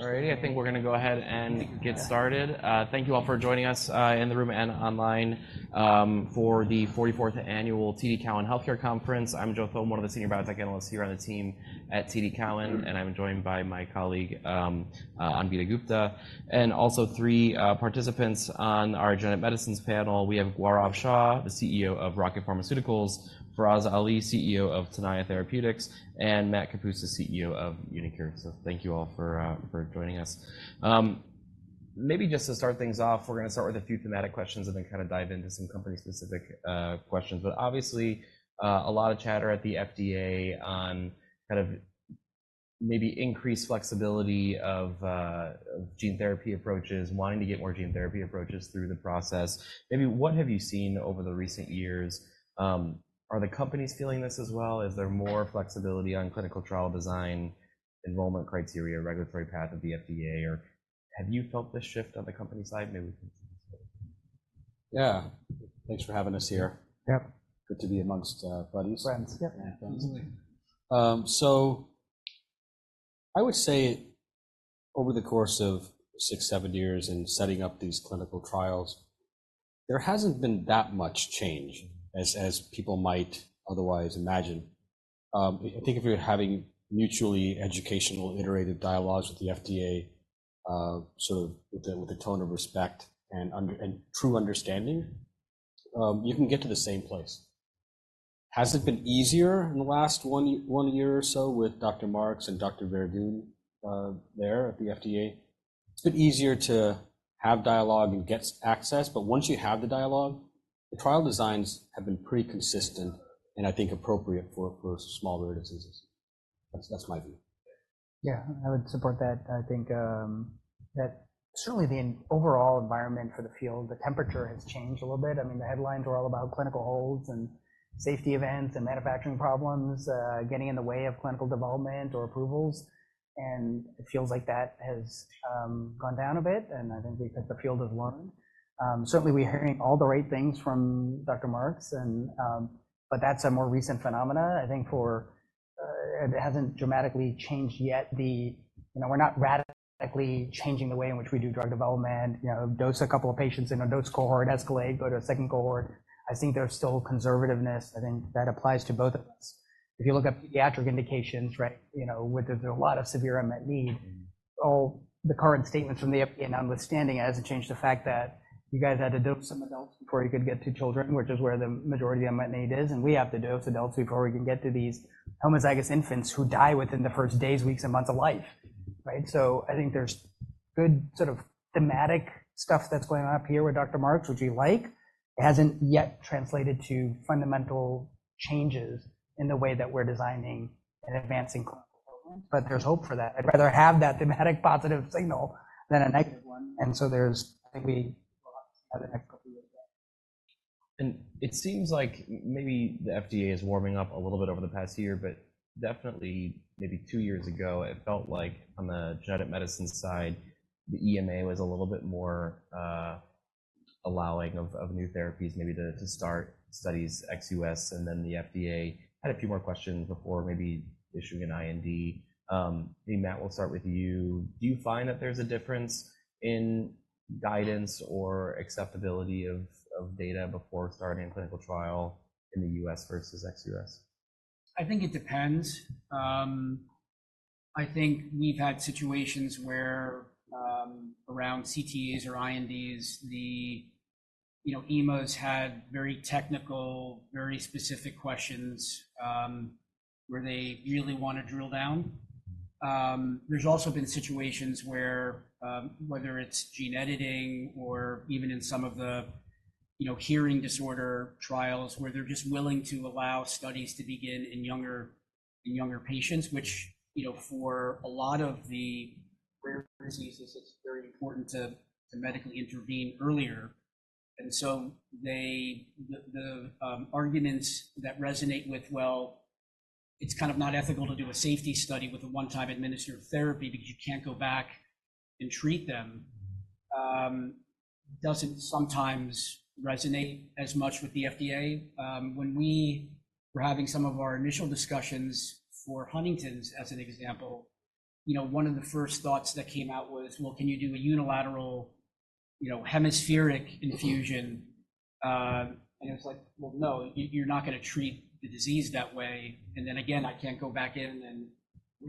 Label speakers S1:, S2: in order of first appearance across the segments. S1: All righty, I think we're gonna go ahead and get started. Thank you all for joining us in the room and online for the 44th Annual TD Cowen Healthcare Conference. I'm Joe Thome, one of the Senior Biotech Analyst here on the team at TD Cowen, and I'm joined by my colleague, Anvita Gupta, and also three participants on our Genetic Medicines panel. We have Gaurav Shah, the CEO of Rocket Pharmaceuticals, Faraz Ali, CEO of Tenaya Therapeutics, and Matt Kapusta, CEO of uniQure. So thank you all for joining us. Maybe just to start things off, we're gonna start with a few thematic questions and then kinda dive into some company-specific questions. But obviously, a lot of chatter at the FDA on kind of maybe increased flexibility of gene therapy approaches, wanting to get more gene therapy approaches through the process. Maybe what have you seen over the recent years? Are the companies feeling this as well? Is there more flexibility on clinical trial design, enrollment criteria, regulatory path of the FDA, or have you felt this shift on the company side maybe?
S2: Yeah. Thanks for having us here.
S3: Yep.
S2: Good to be among buddies.
S3: Friends, yep.
S2: Yeah, friends. So I would say over the course of six to seven years in setting up these clinical trials, there hasn't been that much change as people might otherwise imagine. I think if you're having mutually educational, iterative dialogues with the FDA, sort of with a tone of respect and true understanding, you can get to the same place. Has it been easier in the last one year or so with Dr. Marks and Dr. Verdun there at the FDA? It's been easier to have dialogue and get access, but once you have the dialogue, the trial designs have been pretty consistent and I think appropriate for smaller diseases. That's my view.
S3: Yeah, I would support that. I think that certainly the overall environment for the field, the temperature has changed a little bit. I mean, the headlines were all about clinical holds and safety events and manufacturing problems getting in the way of clinical development or approvals, and it feels like that has gone down a bit, and I think that the field has learned. Certainly, we're hearing all the right things from Dr. Marks, and but that's a more recent phenomena. I think for it hasn't dramatically changed yet the... You know, we're not radically changing the way in which we do drug development. You know, dose a couple of patients in a dose cohort, escalate, go to a second cohort. I think there's still conservativeness, and then that applies to both of us. If you look up pediatric indications, right, you know, with a lot of severe unmet need, all the current statements from the FDA notwithstanding, it hasn't changed the fact that you guys had to dose some adults before you could get to children, which is where the majority of unmet need is, and we have to dose adults before we can get to these homozygous infants who die within the first days, weeks, and months of life, right? So I think there's good sort of thematic stuff that's going on up here with Dr. Marks, which we like. It hasn't yet translated to fundamental changes in the way that we're designing and advancing clinical development, but there's hope for that. I'd rather have that thematic positive signal than a negative one, and so there's, I think we have to see how that plays out.
S1: It seems like maybe the FDA is warming up a little bit over the past year, but definitely maybe two years ago, it felt like on the genetic medicine side, the EMA was a little bit more allowing of new therapies maybe to start studies ex U.S., and then the FDA had a few more questions before maybe issuing an IND. I think, Matt, we'll start with you. Do you find that there's a difference in guidance or acceptability of data before starting a clinical trial in the U.S. versus ex U.S.?
S4: I think it depends. I think we've had situations where, around CTAs or INDs, the, you know, EMAs had very technical, very specific questions, where they really wanna drill down. There's also been situations where, whether it's gene editing or even in some of the, you know, hearing disorder trials, where they're just willing to allow studies to begin in younger patients, which, you know, for a lot of the rare diseases, it's very important to medically intervene earlier. And so they, the arguments that resonate with, well, it's kind of not ethical to do a safety study with a one-time administered therapy because you can't go back and treat them, doesn't sometimes resonate as much with the FDA. When we were having some of our initial discussions for Huntington's, as an example, you know, one of the first thoughts that came out was, "Well, can you do a unilateral, you know, hemispheric infusion?" And it's like: Well, no, you, you're not gonna treat the disease that way, and then again, I can't go back in and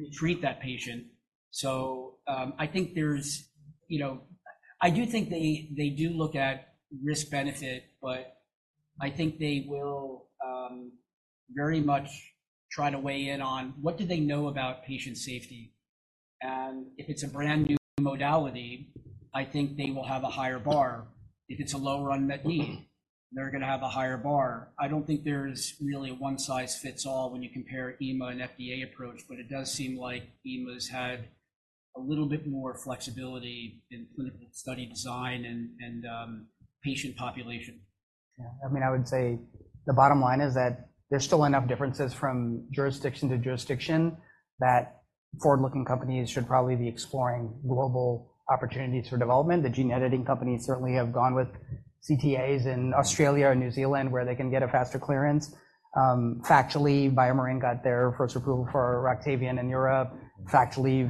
S4: retreat that patient. So, I think there's, you know, I do think they, they do look at risk-benefit, but I think they will, very much try to weigh in on what do they know about patient safety. And if it's a brand-new modality, I think they will have a higher bar. If it's a lower unmet need, they're gonna have a higher bar. I don't think there's really a one-size-fits-all when you compare EMA and FDA approach, but it does seem like EMA's had a little bit more flexibility in clinical study design and patient population.
S3: Yeah. I mean, I would say the bottom line is that there's still enough differences from jurisdiction to jurisdiction that forward-looking companies should probably be exploring global opportunities for development. The gene editing companies certainly have gone with CTAs in Australia and New Zealand, where they can get a faster clearance. Factually, BioMarin got their first approval for Roctavian in Europe. Factually,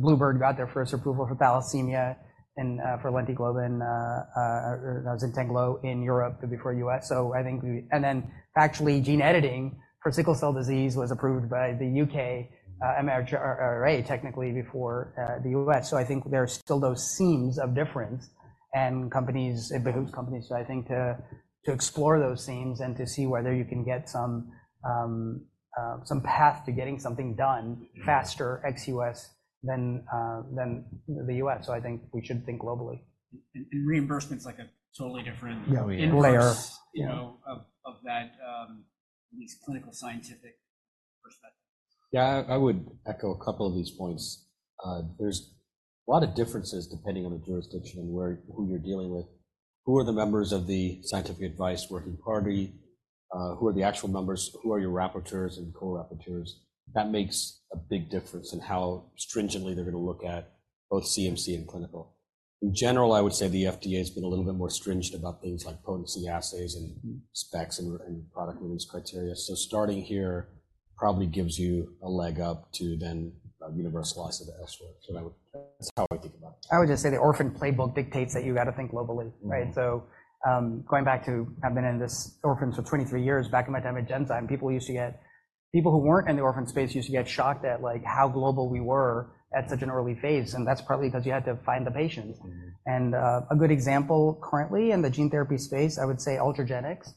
S3: bluebird got their first approval for thalassemia and for LentiGlobin or ZYNTEGLO in Europe, but before U.S. And then factually, gene editing for sickle cell disease was approved by the U.K. MHRA, technically before the U.S. So I think there are still those seams of difference, and companies, it behooves companies, I think, to explore those seams and to see whether you can get some path to getting something done faster, ex-U.S., than the U.S.. So I think we should think globally.
S4: Reimbursement is like a totally different-
S2: Yeah.
S4: - layer, you know, of, of that, at least clinical scientific perspective.
S2: Yeah, I would echo a couple of these points. There's a lot of differences depending on the jurisdiction and where, who you're dealing with. Who are the members of the scientific advice working party? Who are the actual members? Who are your rapporteurs and co-rapporteurs? That makes a big difference in how stringently they're going to look at both CMC and clinical. In general, I would say the FDA has been a little bit more stringent about things like potency assays and specs and, and product release criteria. So starting here probably gives you a leg up to then a universal slice of the escrow. So that would... That's how I think about it.
S3: I would just say the orphan playbook dictates that you got to think globally, right?
S2: Mm-hmm.
S3: So, going back to, I've been in this orphan for 23 years. Back in my time at Genzyme, people who weren't in the orphan space used to get shocked at, like, how global we were at such an early phase, and that's partly because you had to find the patients.
S2: Mm-hmm.
S3: A good example currently in the gene therapy space, I would say Ultragenyx,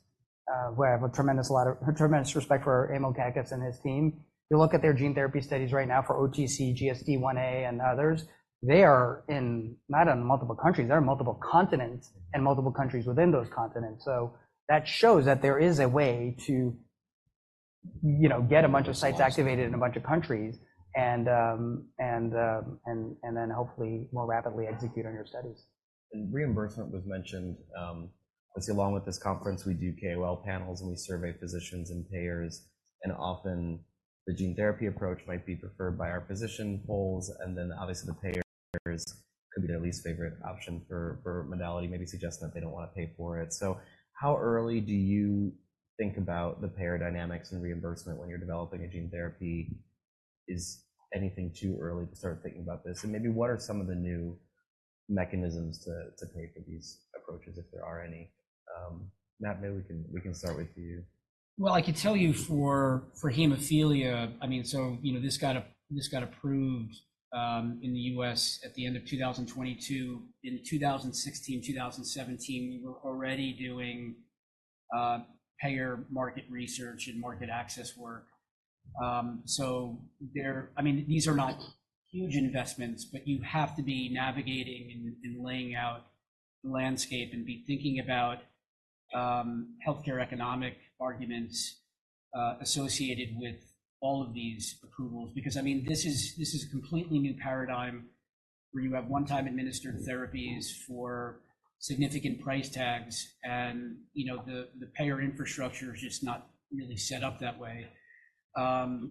S3: where I have a tremendous amount of tremendous respect for Emil Kakkis and his team. You look at their gene therapy studies right now for OTC, GSDIa, and others, they are not in multiple countries, they're in multiple continents and multiple countries within those continents. So that shows that there is a way to, you know, get a bunch of sites activated in a bunch of countries and then hopefully more rapidly execute on your studies.
S1: Reimbursement was mentioned. I see along with this conference, we do KOL panels, and we survey physicians and payers, and often the gene therapy approach might be preferred by our physician polls, and then obviously, the payers could be their least favorite option for modality, maybe suggesting that they don't want to pay for it. So how early do you think about the payer dynamics and reimbursement when you're developing a gene therapy? Is anything too early to start thinking about this? And maybe what are some of the new mechanisms to pay for these approaches, if there are any? Matt, maybe we can start with you.
S4: Well, I can tell you for hemophilia, I mean, so, you know, this got approved in the U.S. at the end of 2022. In 2016, 2017, we were already doing payer market research and market access work. So there, I mean, these are not huge investments, but you have to be navigating and laying out the landscape and be thinking about healthcare economic arguments associated with all of these approvals. Because, I mean, this is a completely new paradigm where you have one-time administered therapies for significant price tags, and, you know, the payer infrastructure is just not really set up that way.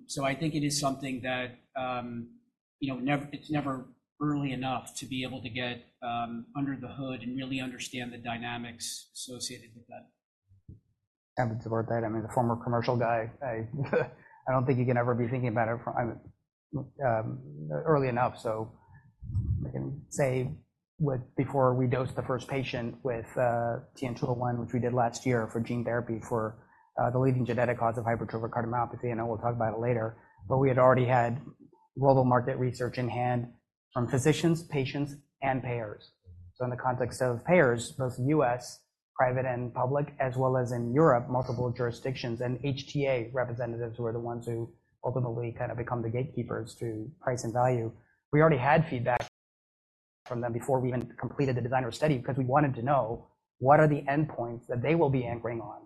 S4: So, I think it is something that, you know, it's never early enough to be able to get under the hood and really understand the dynamics associated with that.
S3: Happy to support that. I mean, a former commercial guy, I don't think you can ever be thinking about it from early enough. So I can say, before we dosed the first patient with TN-201, which we did last year for gene therapy for the leading genetic cause of hypertrophic cardiomyopathy, I know we'll talk about it later, but we had already had global market research in hand from physicians, patients, and payers. So in the context of payers, both U.S., private and public, as well as in Europe, multiple jurisdictions and HTA representatives, who are the ones who ultimately kind of become the gatekeepers to price and value. We already had feedback from them before we even completed the designer study because we wanted to know: What are the endpoints that they will be anchoring on?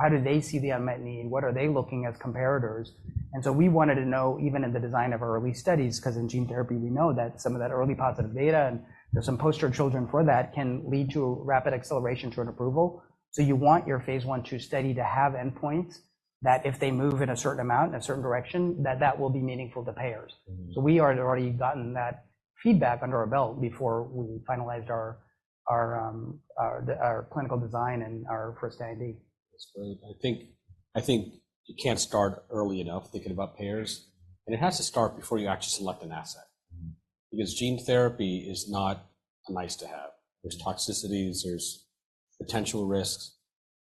S3: How do they see the unmet need? What are they looking as comparators? And so we wanted to know, even in the design of our early studies, because in gene therapy, we know that some of that early positive data and there's some poster children for that, can lead to rapid acceleration to an approval. So you want your phase I/II study to have endpoints, that if they move in a certain amount, in a certain direction, that that will be meaningful to payers.
S2: Mm-hmm.
S3: So we had already gotten that feedback under our belt before we finalized our clinical design and our first IND.
S2: That's great. I think, I think you can't start early enough thinking about payers, and it has to start before you actually select an asset.
S3: Mm-hmm.
S2: Because gene therapy is not a nice to have. There's toxicities, there's potential risks,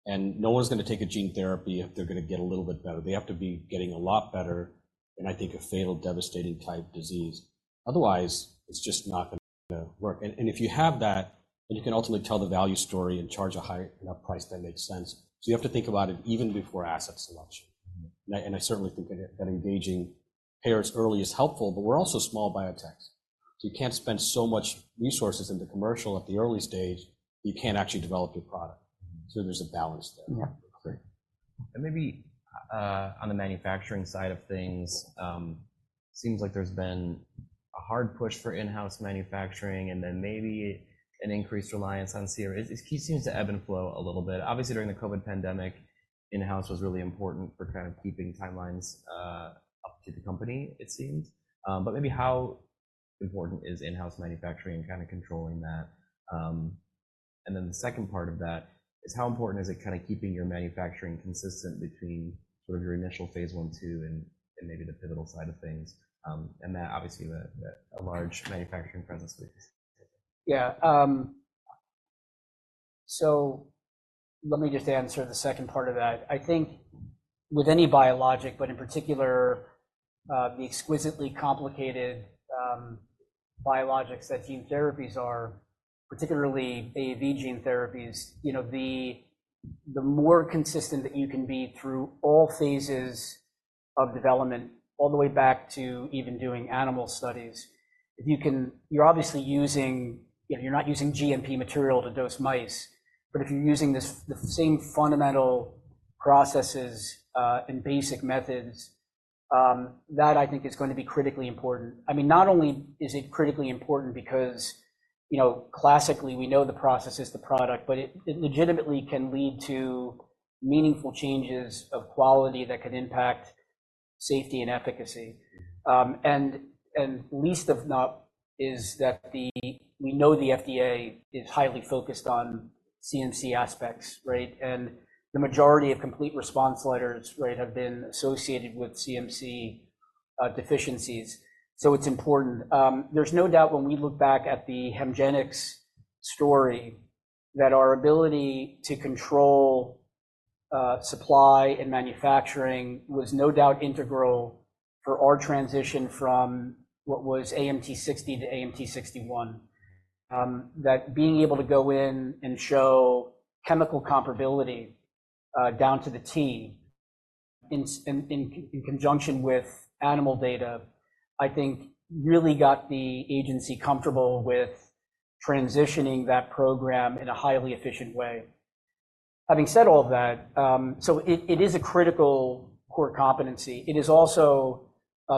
S2: and no one's gonna take a gene therapy if they're gonna get a little bit better. They have to be getting a lot better, and I think a fatal, devastating type disease. Otherwise, it's just not gonna work. And, and if you have that, then you can ultimately tell the value story and charge a high enough price that makes sense. So you have to think about it even before asset selection.
S3: Mm-hmm.
S2: I certainly think that engaging payers early is helpful, but we're also small biotechs, so you can't spend so much resources in the commercial at the early stage, you can't actually develop your product. So there's a balance there.
S3: Yeah.
S1: Great. And maybe, on the manufacturing side of things, seems like there's been a hard push for in-house manufacturing and then maybe an increased reliance on [CMOs]. It seems to ebb and flow a little bit. Obviously, during the COVID pandemic, in-house was really important for kind of keeping timelines up to the company, it seems. But maybe how important is in-house manufacturing and kind of controlling that? And then the second part of that is how important is it kind of keeping your manufacturing consistent between sort of your initial phase I/II, and maybe the pivotal side of things, and that obviously, a large manufacturing presence with this?
S4: Yeah. So let me just answer the second part of that. I think with any biologic, but in particular, the exquisitely complicated, biologics that gene therapies are, particularly AAV gene therapies, you know, the, the more consistent that you can be through all phases of development, all the way back to even doing animal studies, if you can—you're obviously using—you know, you're not using GMP material to dose mice, but if you're using the same fundamental processes, and basic methods, that I think is going to be critically important. I mean, not only is it critically important because, you know, classically, we know the process is the product, but it, it legitimately can lead to meaningful changes of quality that could impact safety and efficacy. Last but not least is that we know the FDA is highly focused on CMC aspects, right? And the majority of complete response letters, right, have been associated with CMC deficiencies. So it's important. There's no doubt when we look back at the HEMGENIX story, that our ability to control supply and manufacturing was no doubt integral for our transition from what was AMT-060 to AMT-061. That being able to go in and show chemical comparability down to the team in conjunction with animal data, I think really got the agency comfortable with transitioning that program in a highly efficient way. Having said all of that, it is a critical core competency. It also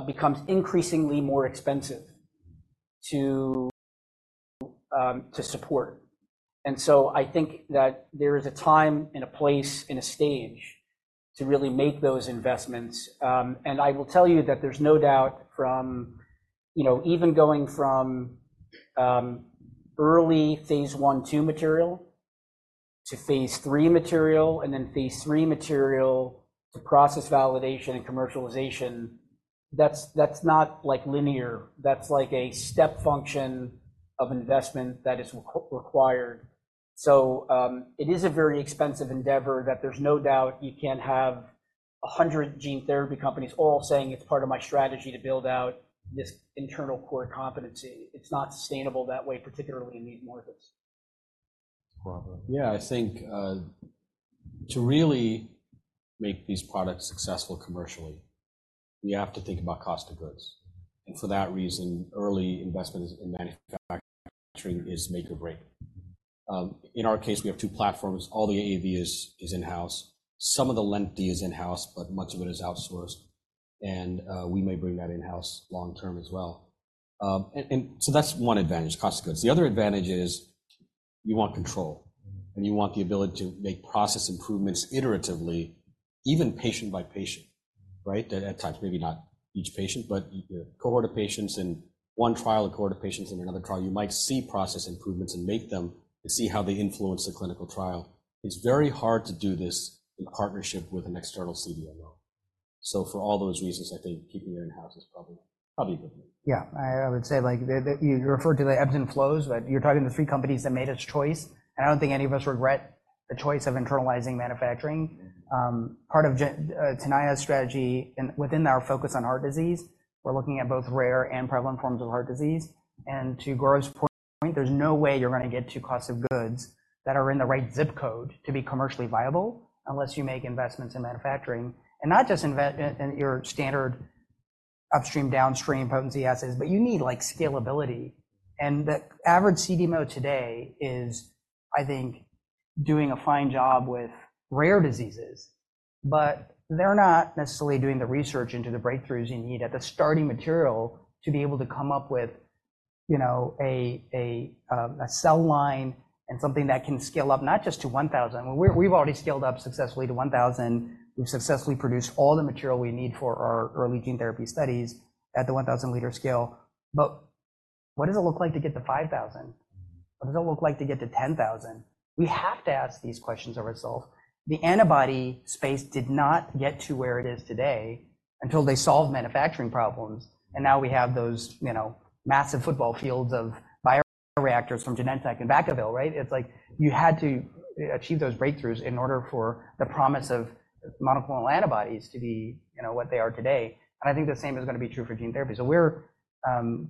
S4: becomes increasingly more expensive to support. So I think that there is a time, and a place, and a stage to really make those investments. And I will tell you that there's no doubt from, you know, even going from early phase I/II material to phase III material, and then phase III material to process validation and commercialization, that's not like linear. That's like a step function of investment that is required. So it is a very expensive endeavor that there's no doubt you can't have 100 gene therapy companies all saying it's part of my strategy to build out this internal core competency. It's not sustainable that way, particularly in these markets.
S2: Yeah, I think, to really make these products successful commercially, you have to think about cost of goods. And for that reason, early investment in manufacturing is make or break. In our case, we have two platforms. All the AAV is, is in-house. Some of the lenti is in-house, but much of it is outsourced, and, we may bring that in-house long term as well. And so that's one advantage, cost of goods. The other advantage is you want control, and you want the ability to make process improvements iteratively, even patient by patient, right? At times, maybe not each patient, but a cohort of patients in one trial, a cohort of patients in another trial, you might see process improvements and make them, and see how they influence the clinical trial. It's very hard to do this in partnership with an external CDMO. For all those reasons, I think keeping it in-house is probably, probably good.
S4: Yeah, I would say, like, you referred to the ebbs and flows, but you're talking to three companies that made its choice, and I don't think any of us regret the choice of internalizing manufacturing. Part of Tenaya's strategy and within our focus on heart disease, we're looking at both rare and prevalent forms of heart disease. And to Gaurav's point, there's no way you're gonna get to costs of goods that are in the right zip code to be commercially viable unless you make investments in manufacturing, and not just invest in your standard upstream, downstream potency assays, but you need, like, scalability. The average CDMO today is, I think, doing a fine job with rare diseases, but they're not necessarily doing the research into the breakthroughs you need at the starting material to be able to come up with, you know, a cell line and something that can scale up, not just to 1,000. We've already scaled up successfully to 1,000. We've successfully produced all the material we need for our early gene therapy studies at the 1,000 L scale. But what does it look like to get to 5,000? What does it look like to get to 10,000? We have to ask these questions ourselves. The antibody space did not get to where it is today until they solved manufacturing problems, and now we have those, you know, massive football fields of bioreactors from Genentech in Vacaville, right? It's like you had to achieve those breakthroughs in order for the promise of monoclonal antibodies to be, you know, what they are today. And I think the same is gonna be true for gene therapy. So we're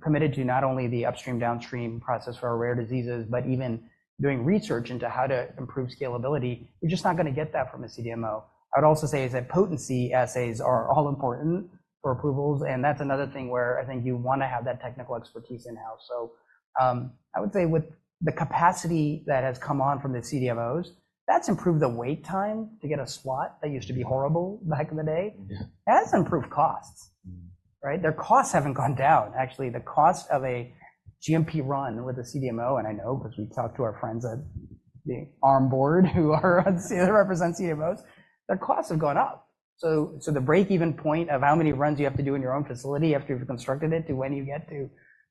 S4: committed to not only the upstream, downstream process for our rare diseases, but even doing research into how to improve scalability. We're just not gonna get that from a CDMO. I would also say is that potency assays are all important for approvals, and that's another thing where I think you wanna have that technical expertise in-house. So, I would say with the capacity that has come on from the CDMOs, that's improved the wait time to get a slot that used to be horrible back in the day-
S2: Mm-hmm.
S4: and it's improved costs.
S2: Mm.
S4: Right? Their costs haven't gone down. Actually, the cost of a GMP run with a CDMO, and I know because we've talked to our friends at the ARM board who are on, represent CMOs, their costs have gone up. So, so the break-even point of how many runs you have to do in your own facility after you've constructed it, to when you get to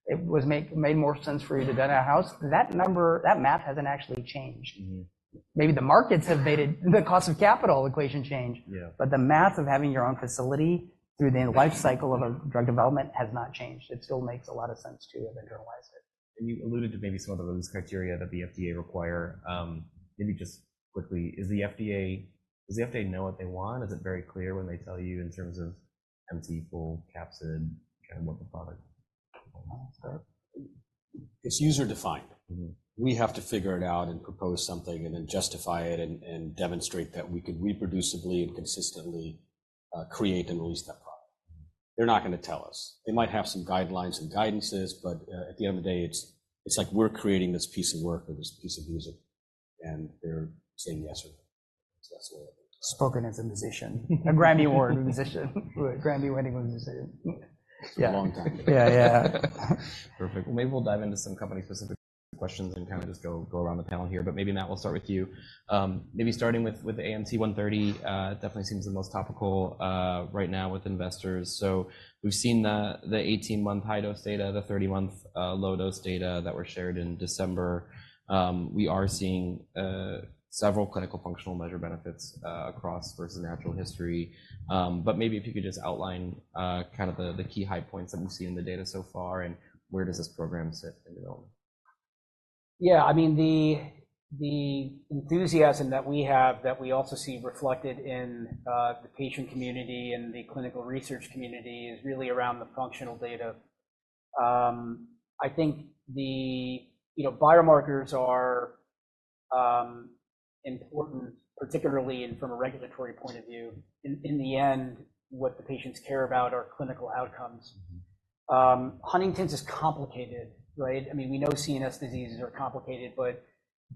S4: it was made more sense for you to own a house, that number, that math hasn't actually changed.
S1: Mm-hmm.
S4: Maybe the markets have made it, the cost of capital equation change-
S1: Yeah.
S4: but the math of having your own facility through the life cycle of a drug development has not changed. It still makes a lot of sense to have internalized it.
S1: You alluded to maybe some of those criteria that the FDA require. Maybe just quickly, is the FDA? Does the FDA know what they want? Is it very clear when they tell you in terms of empty, full, capsid, and what the product is for?
S2: It's user-defined.
S1: Mm-hmm.
S2: We have to figure it out and propose something, and then justify it, and demonstrate that we could reproducibly and consistently create and release that product. They're not going to tell us. They might have some guidelines and guidances, but at the end of the day, it's like we're creating this piece of work or this piece of music, and they're saying yes or no. So that's the way I think about it.
S4: Spoken as a musician, a Grammy Award musician. Grammy-winning musician.
S2: It was a long time ago.
S4: Yeah. Yeah.
S1: Perfect. Well, maybe we'll dive into some company-specific questions and kind of just go around the panel here, but maybe, Matt, we'll start with you. Maybe starting with AMT-130, it definitely seems the most topical right now with investors. So we've seen the 18-month high-dose data, the 30-month low-dose data that were shared in December. We are seeing several clinical functional measure benefits across versus natural history. But maybe if you could just outline kind of the key high points that we've seen in the data so far, and where does this program sit in development?
S4: Yeah, I mean, the enthusiasm that we have that we also see reflected in the patient community and the clinical research community is really around the functional data. I think the, you know, biomarkers are important, particularly and from a regulatory point of view. In the end, what the patients care about are clinical outcomes. Huntington's is complicated, right? I mean, we know CNS diseases are complicated, but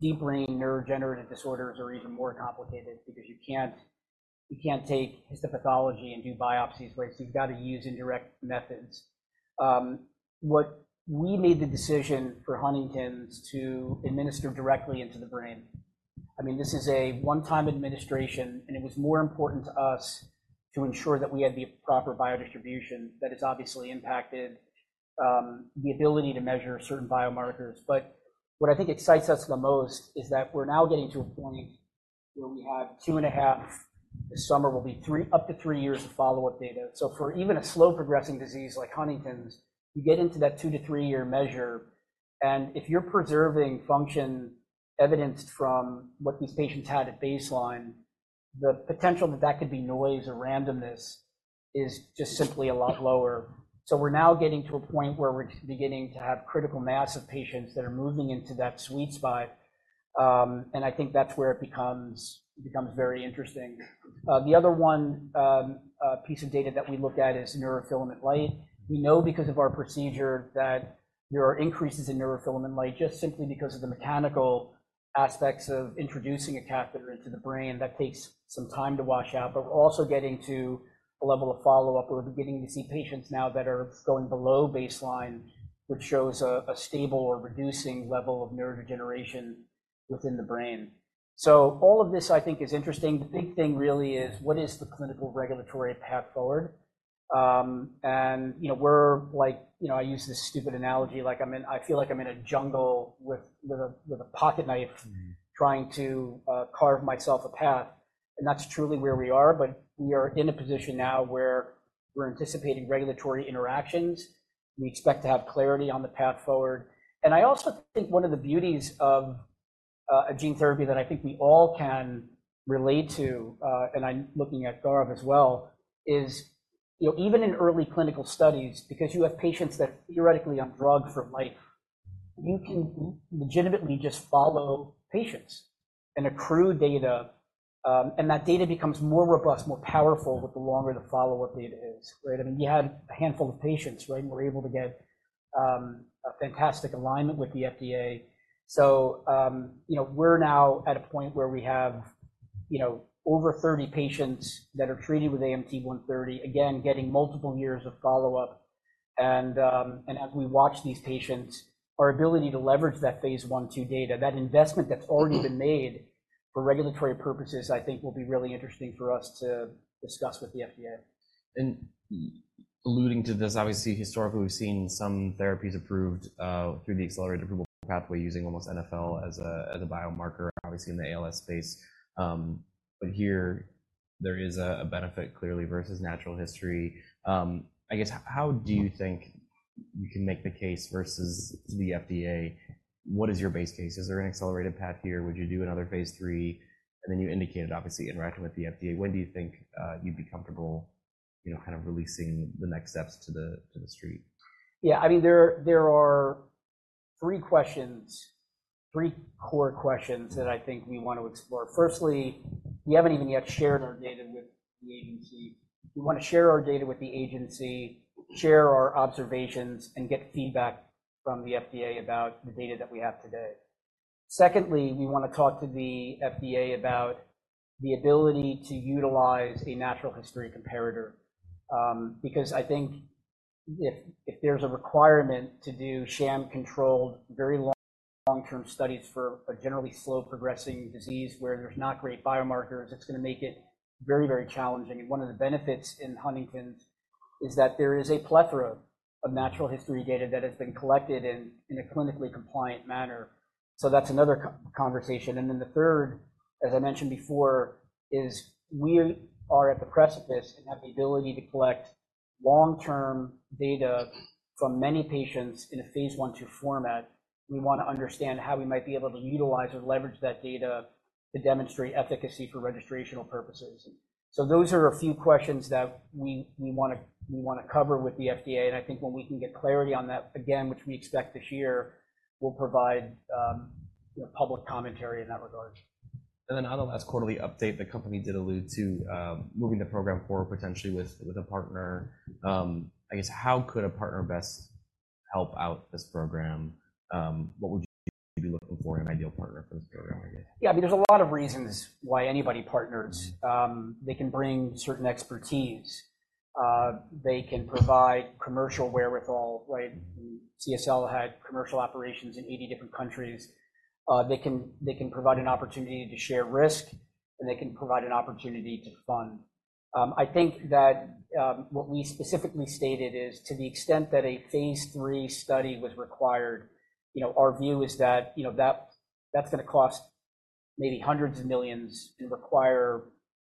S4: deep brain neurodegenerative disorders are even more complicated because you can't take histopathology and do biopsies, right? So you've got to use indirect methods. We made the decision for Huntington's to administer directly into the brain. I mean, this is a one-time administration, and it was more important to us to ensure that we had the proper biodistribution. That has obviously impacted the ability to measure certain biomarkers. But what I think excites us the most is that we're now getting to a point where we have 2.5, this summer will be three, up to three years of follow-up data. So for even a slow-progressing disease like Huntington's, you get into that two-to-three-year measure, and if you're preserving function evidenced from what these patients had at baseline, the potential that that could be noise or randomness is just simply a lot lower. So we're now getting to a point where we're beginning to have critical mass of patients that are moving into that sweet spot, and I think that's where it becomes very interesting. The other piece of data that we looked at is neurofilament light. We know because of our procedure that there are increases in neurofilament light, just simply because of the mechanical aspects of introducing a catheter into the brain. That takes some time to wash out. But we're also getting to a level of follow-up, we're beginning to see patients now that are going below baseline, which shows a stable or reducing level of neurodegeneration within the brain. So all of this, I think, is interesting. The big thing really is, what is the clinical regulatory path forward? And, you know, we're like, you know, I use this stupid analogy, like, I feel like I'm in a jungle with a pocket knife-
S1: Mm-hmm...
S4: trying to carve myself a path, and that's truly where we are, but we are in a position now where we're anticipating regulatory interactions. We expect to have clarity on the path forward. And I also think one of the beauties of a gene therapy that I think we all can relate to, and I'm looking at Gaurav as well, is, you know, even in early clinical studies, because you have patients that theoretically are on drug for life, you can legitimately just follow patients and accrue data, and that data becomes more robust, more powerful with the longer the follow-up data is. Right? I mean, we had a handful of patients, right, and we're able to get a fantastic alignment with the FDA. So, you know, we're now at a point where we have, you know, over 30 patients that are treated with AMT-130, again, getting multiple years of follow-up. And, and as we watch these patients, our ability to leverage that phase I/II data, that investment that's already been made for regulatory purposes, I think will be really interesting for us to discuss with the FDA.
S1: And alluding to this, obviously, historically, we've seen some therapies approved through the accelerated approval pathway, using almost NfL as a biomarker, obviously in the ALS space. But here there is a benefit clearly versus natural history. I guess, how do you think you can make the case versus the FDA? What is your base case? Is there an accelerated path here? Would you do another phase III? And then you indicated, obviously, interacting with the FDA. When do you think you'd be comfortable, you know, kind of releasing the next steps to the street?
S4: Yeah, I mean, there, there are three questions, three core questions that I think we want to explore. Firstly, we haven't even yet shared our data with the agency. We want to share our data with the agency, share our observations, and get feedback from the FDA about the data that we have today. Secondly, we want to talk to the FDA about the ability to utilize a natural history comparator, because, if there's a requirement to do sham-controlled, very long, long-term studies for a generally slow-progressing disease where there's not great biomarkers, it's going to make it very, very challenging. And one of the benefits in Huntington's is that there is a plethora of natural history data that has been collected in, in a clinically compliant manner. So that's another conversation. And then the third, as I mentioned before, is we are at the precipice and have the ability to collect long-term data from many patients in a phase I/II format. We want to understand how we might be able to utilize or leverage that data to demonstrate efficacy for registrational purposes. So those are a few questions that we wanna cover with the FDA, and I think when we can get clarity on that, again, which we expect this year, we'll provide, you know, public commentary in that regard.
S1: And then on the last quarterly update, the company did allude to moving the program forward, potentially with, with a partner. I guess, how could a partner best help out this program? What would you be looking for in an ideal partner for this program, I guess?
S4: Yeah, I mean, there's a lot of reasons why anybody partners. They can bring certain expertise. They can provide commercial wherewithal, right? CSL had commercial operations in 80 different countries. They can, they can provide an opportunity to share risk, and they can provide an opportunity to fund. I think that, what we specifically stated is to the extent that a phase III study was required, you know, our view is that, you know, that, that's gonna cost maybe hundreds of millions and require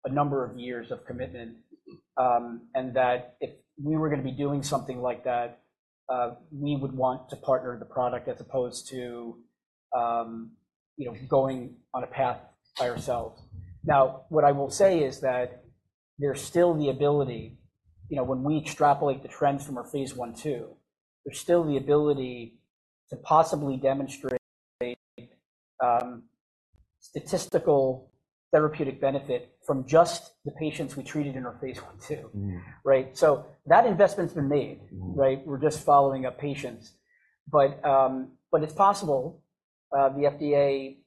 S4: a number of years of commitment. And that if we were gonna be doing something like that, we would want to partner the product as opposed to, you know, going on a path by ourselves. Now, what I will say is that there's still the ability, you know, when we extrapolate the trends from our phase I/II, there's still the ability to possibly demonstrate statistical therapeutic benefit from just the patients we treated in our phase I/II.
S1: Mm.
S4: Right? So that investment's been made, right?
S1: Mm-hmm.
S4: We're just following up patients. But it's possible the FDA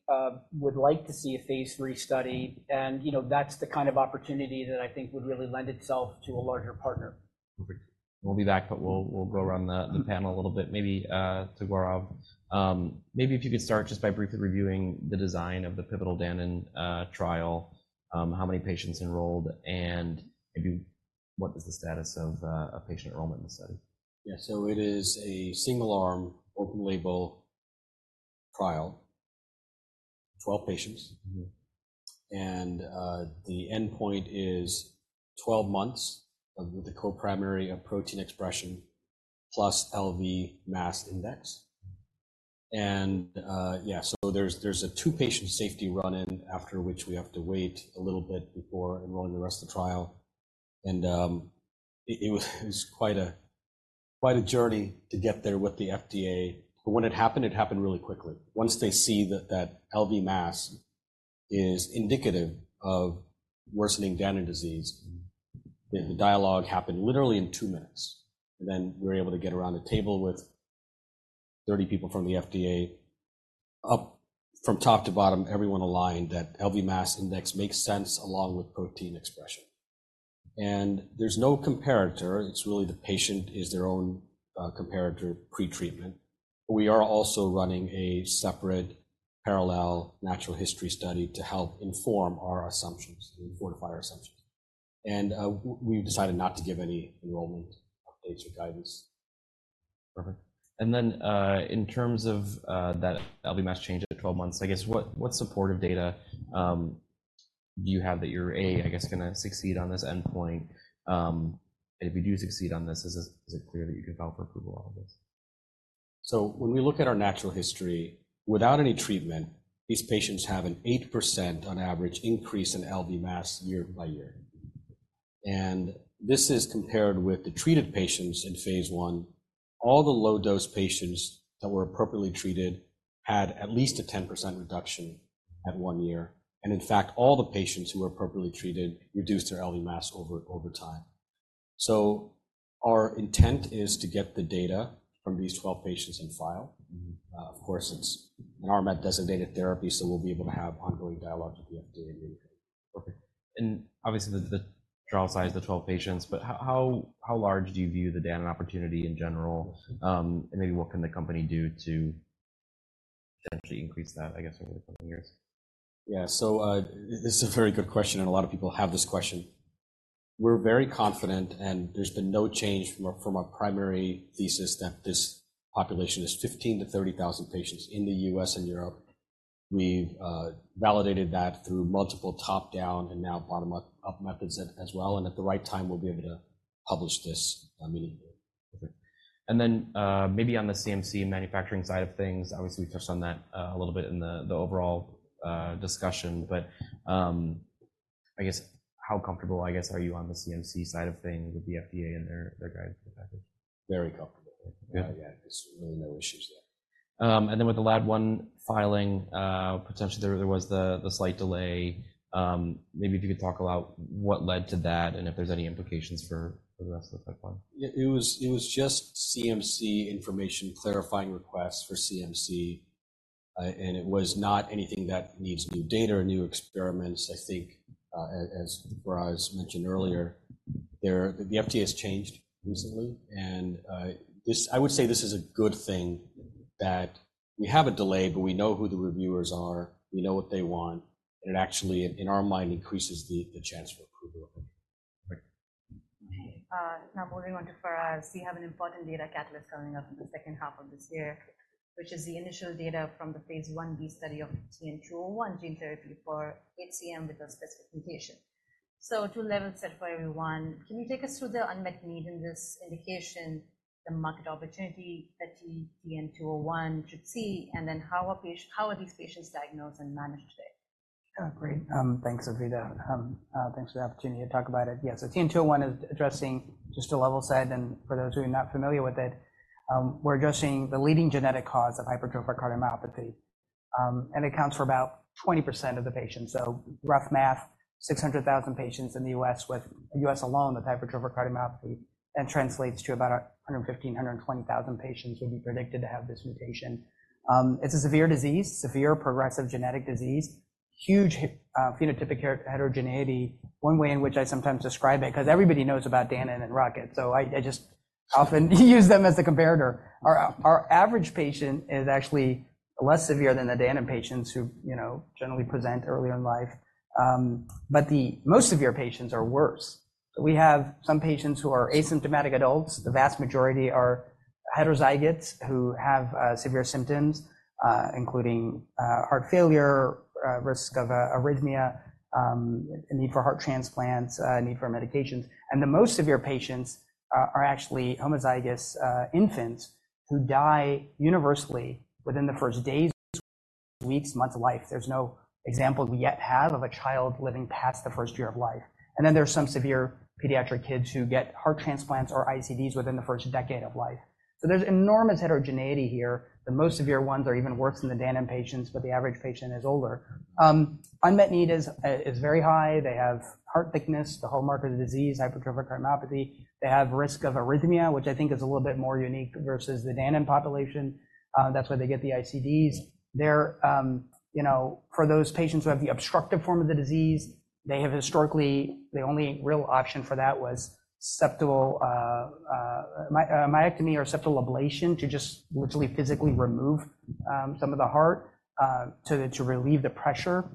S4: would like to see a phase III study, and, you know, that's the kind of opportunity that I think would really lend itself to a larger partner.
S1: Perfect. We'll be back, but we'll go around the panel a little bit. Maybe to Gaurav, maybe if you could start just by briefly reviewing the design of the pivotal Danon trial, how many patients enrolled, and maybe what is the status of patient enrollment in the study?
S2: Yeah, so it is a single-arm, open-label trial, 12 patients.
S1: Mm-hmm.
S2: The endpoint is 12 months of the co-primary of protein expression, plus LV mass index. Yeah, so there's a two-patient safety run-in, after which we have to wait a little bit before enrolling the rest of the trial. It was quite a journey to get there with the FDA, but when it happened, it happened really quickly. Once they see that LV mass is indicative of worsening Danon disease, the dialogue happened literally in two minutes. Then we were able to get around a table with 30 people from the FDA. Up from top to bottom, everyone aligned that LV mass index makes sense along with protein expression. There's no comparator. It's really the patient is their own comparator pretreatment. We are also running a separate parallel natural history study to help inform our assumptions, fortify our assumptions. We've decided not to give any enrollment updates or guidance.
S1: Perfect. And then, in terms of that LV mass change at 12 months, I guess what supportive data do you have that you're A, I guess, gonna succeed on this endpoint? And if you do succeed on this, is it clear that you could file for approval on this?
S2: So when we look at our natural history, without any treatment, these patients have an 8%, on average, increase in LV mass year-by-year. This is compared with the treated patients in phase I. All the low-dose patients that were appropriately treated had at least a 10% reduction at one year, and in fact, all the patients who were appropriately treated reduced their LV mass over time. So our intent is to get the data from these 12 patients on file.
S1: Mm-hmm.
S2: Of course, it's an RMAT designated therapy, so we'll be able to have ongoing dialogue with the FDA.
S1: Perfect. And obviously, the trial size, the 12 patients, but how large do you view the Danon opportunity in general? And maybe what can the company do to potentially increase that, I guess, over the coming years?
S2: Yeah. So, this is a very good question, and a lot of people have this question. We're very confident, and there's been no change from our primary thesis that this population is 15,000-30,000 patients in the U.S. and Europe. We've validated that through multiple top-down and now bottom-up methods as well, and at the right time, we'll be able to publish this immediately.
S1: Perfect. Then, maybe on the CMC and manufacturing side of things, obviously, we touched on that a little bit in the overall discussion. But, I guess, how comfortable, I guess, are you on the CMC side of things with the FDA and their guide to the package?
S2: Very comfortable.
S1: Yeah.
S2: Yeah, there's really no issues there.
S1: And then with the LAD-I filing, potentially, there was the slight delay. Maybe if you could talk about what led to that and if there's any implications for the rest of the pipeline.
S2: Yeah, it was, it was just CMC information, clarifying requests for CMC. And it was not anything that needs new data or new experiments. I think, as Faraz mentioned earlier, the FDA has changed recently, and this—I would say this is a good thing, that we have a delay, but we know who the reviewers are, we know what they want, and it actually, in our mind, increases the chance for approval.
S5: Now moving on to Faraz, we have an important data catalyst coming up in the second half of this year, which is the initial data from the phase I-B study of TN-201 gene therapy for HCM with a specific mutation. So to level set for everyone, can you take us through the unmet need in this indication, the market opportunity that TN-201 should see, and then how are these patients diagnosed and managed today?
S3: Great. Thanks, Anvita. Thanks for the opportunity to talk about it. Yeah, so TN-201 is addressing just a level set, and for those of you not familiar with it, we're addressing the leading genetic cause of hypertrophic cardiomyopathy, and it accounts for about 20% of the patients. So rough math, 600,000 patients in the U.S. alone with hypertrophic cardiomyopathy, and translates to about 115,000-120,000 patients who be predicted to have this mutation. It's a severe disease, severe progressive genetic disease, huge phenotypic heterogeneity. One way in which I sometimes describe it, because everybody knows about Danon and Rocket, so I just often use them as the comparator. Our average patient is actually less severe than the Danon patients who, you know, generally present early in life. But the most severe patients are worse. We have some patients who are asymptomatic adults. The vast majority are heterozygotes who have severe symptoms, including heart failure, risk of arrhythmia, a need for heart transplants, a need for medications. And the most severe patients are actually homozygous infants who die universally within the first days, weeks, months of life. There's no example we yet have of a child living past the first year of life. And then there are some severe pediatric kids who get heart transplants or ICDs within the first decade of life. So there's enormous heterogeneity here. The most severe ones are even worse than the Danon patients, but the average patient is older. Unmet need is very high. They have heart thickness, the whole marker of the disease, hypertrophic cardiomyopathy. They have risk of arrhythmia, which I think is a little bit more unique versus the Danon population. That's why they get the ICDs. They're... You know, for those patients who have the obstructive form of the disease, they have historically, the only real option for that was septal myectomy or septal ablation, to just literally physically remove some of the heart to relieve the pressure.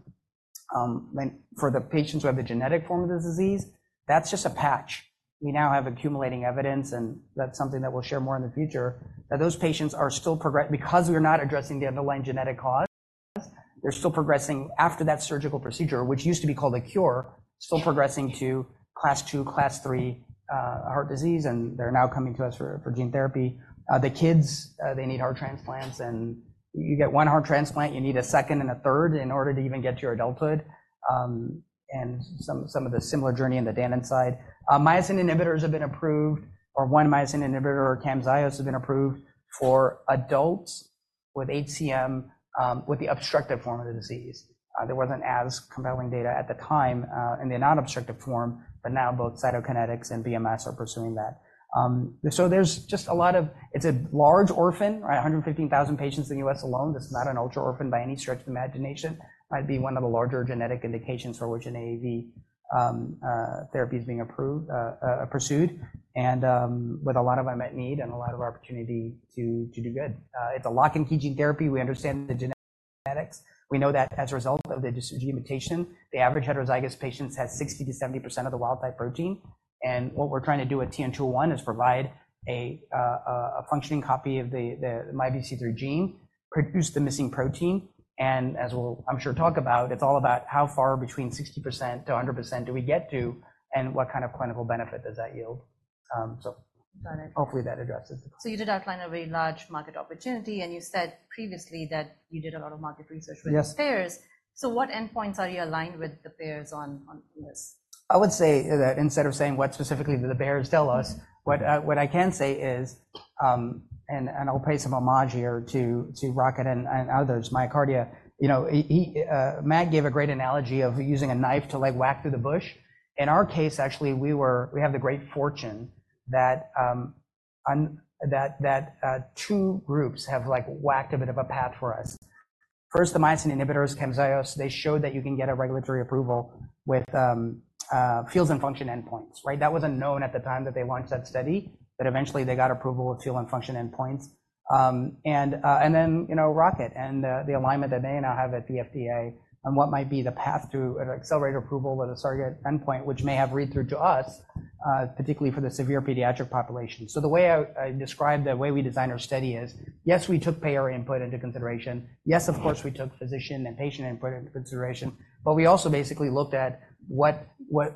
S3: And for the patients who have the genetic form of the disease, that's just a patch. We now have accumulating evidence, and that's something that we'll share more in the future, that those patients are still progressing because we are not addressing the underlying genetic cause. They're still progressing after that surgical procedure, which used to be called a cure, still Class II, Class III heart disease, and they're now coming to us for gene therapy. The kids, they need heart transplants, and you get one heart transplant, you need a second and a third in order to even get to your adulthood, and some of the similar journey on the Danon side. Myosin inhibitors have been approved, or one myosin inhibitor, Camzyos, has been approved for adults with HCM, with the obstructive form of the disease. There wasn't as compelling data at the time, in the non-obstructive form, but now both Cytokinetics and BMS are pursuing that. So there's just a lot of, it's a large orphan, right? 115,000 patients in the U.S. alone. This is not an ultra-orphan by any stretch of the imagination. Might be one of the larger genetic indications for which an AAV therapy is being approved, pursued, and with a lot of unmet need and a lot of opportunity to do good. It's a lock-in key gene therapy. We understand the genetics. We know that as a result of the this gene mutation, the average heterozygous patients has 60%-70% of the wild type protein, and what we're trying to do at TN-201 is provide a functioning copy of the MYBPC3 gene, produce the missing protein, and as we'll, I'm sure, talk about, it's all about how far between 60%-100% do we get to, and what kind of clinical benefit does that yield?
S5: Got it.
S3: Hopefully, that addresses the question.
S5: You did outline a very large market opportunity, and you said previously that you did a lot of market research with the payers.
S3: Yes.
S5: What endpoints are you aligned with the payers on, on this?
S3: I would say that instead of saying what specifically do the payers tell us, what I can say is, and I'll pay some homage here to Rocket and others, MyoKardia. You know, Matt gave a great analogy of using a knife to, like, whack through the bush. In our case, actually, we were we have the great fortune that two groups have, like, whacked a bit of a path for us. First, the myosin inhibitors, Camzyos, they showed that you can get a regulatory approval with fields and function endpoints, right? That wasn't known at the time that they launched that study, but eventually, they got approval of field and function endpoints. And then, you know, Rocket and the alignment that they now have at the FDA on what might be the path to an accelerated approval with a surrogate endpoint, which may have read through to us, particularly for the severe pediatric population. So the way I describe the way we design our study is, yes, we took payer input into consideration. Yes, of course, we took physician and patient input into consideration, but we also basically looked at what were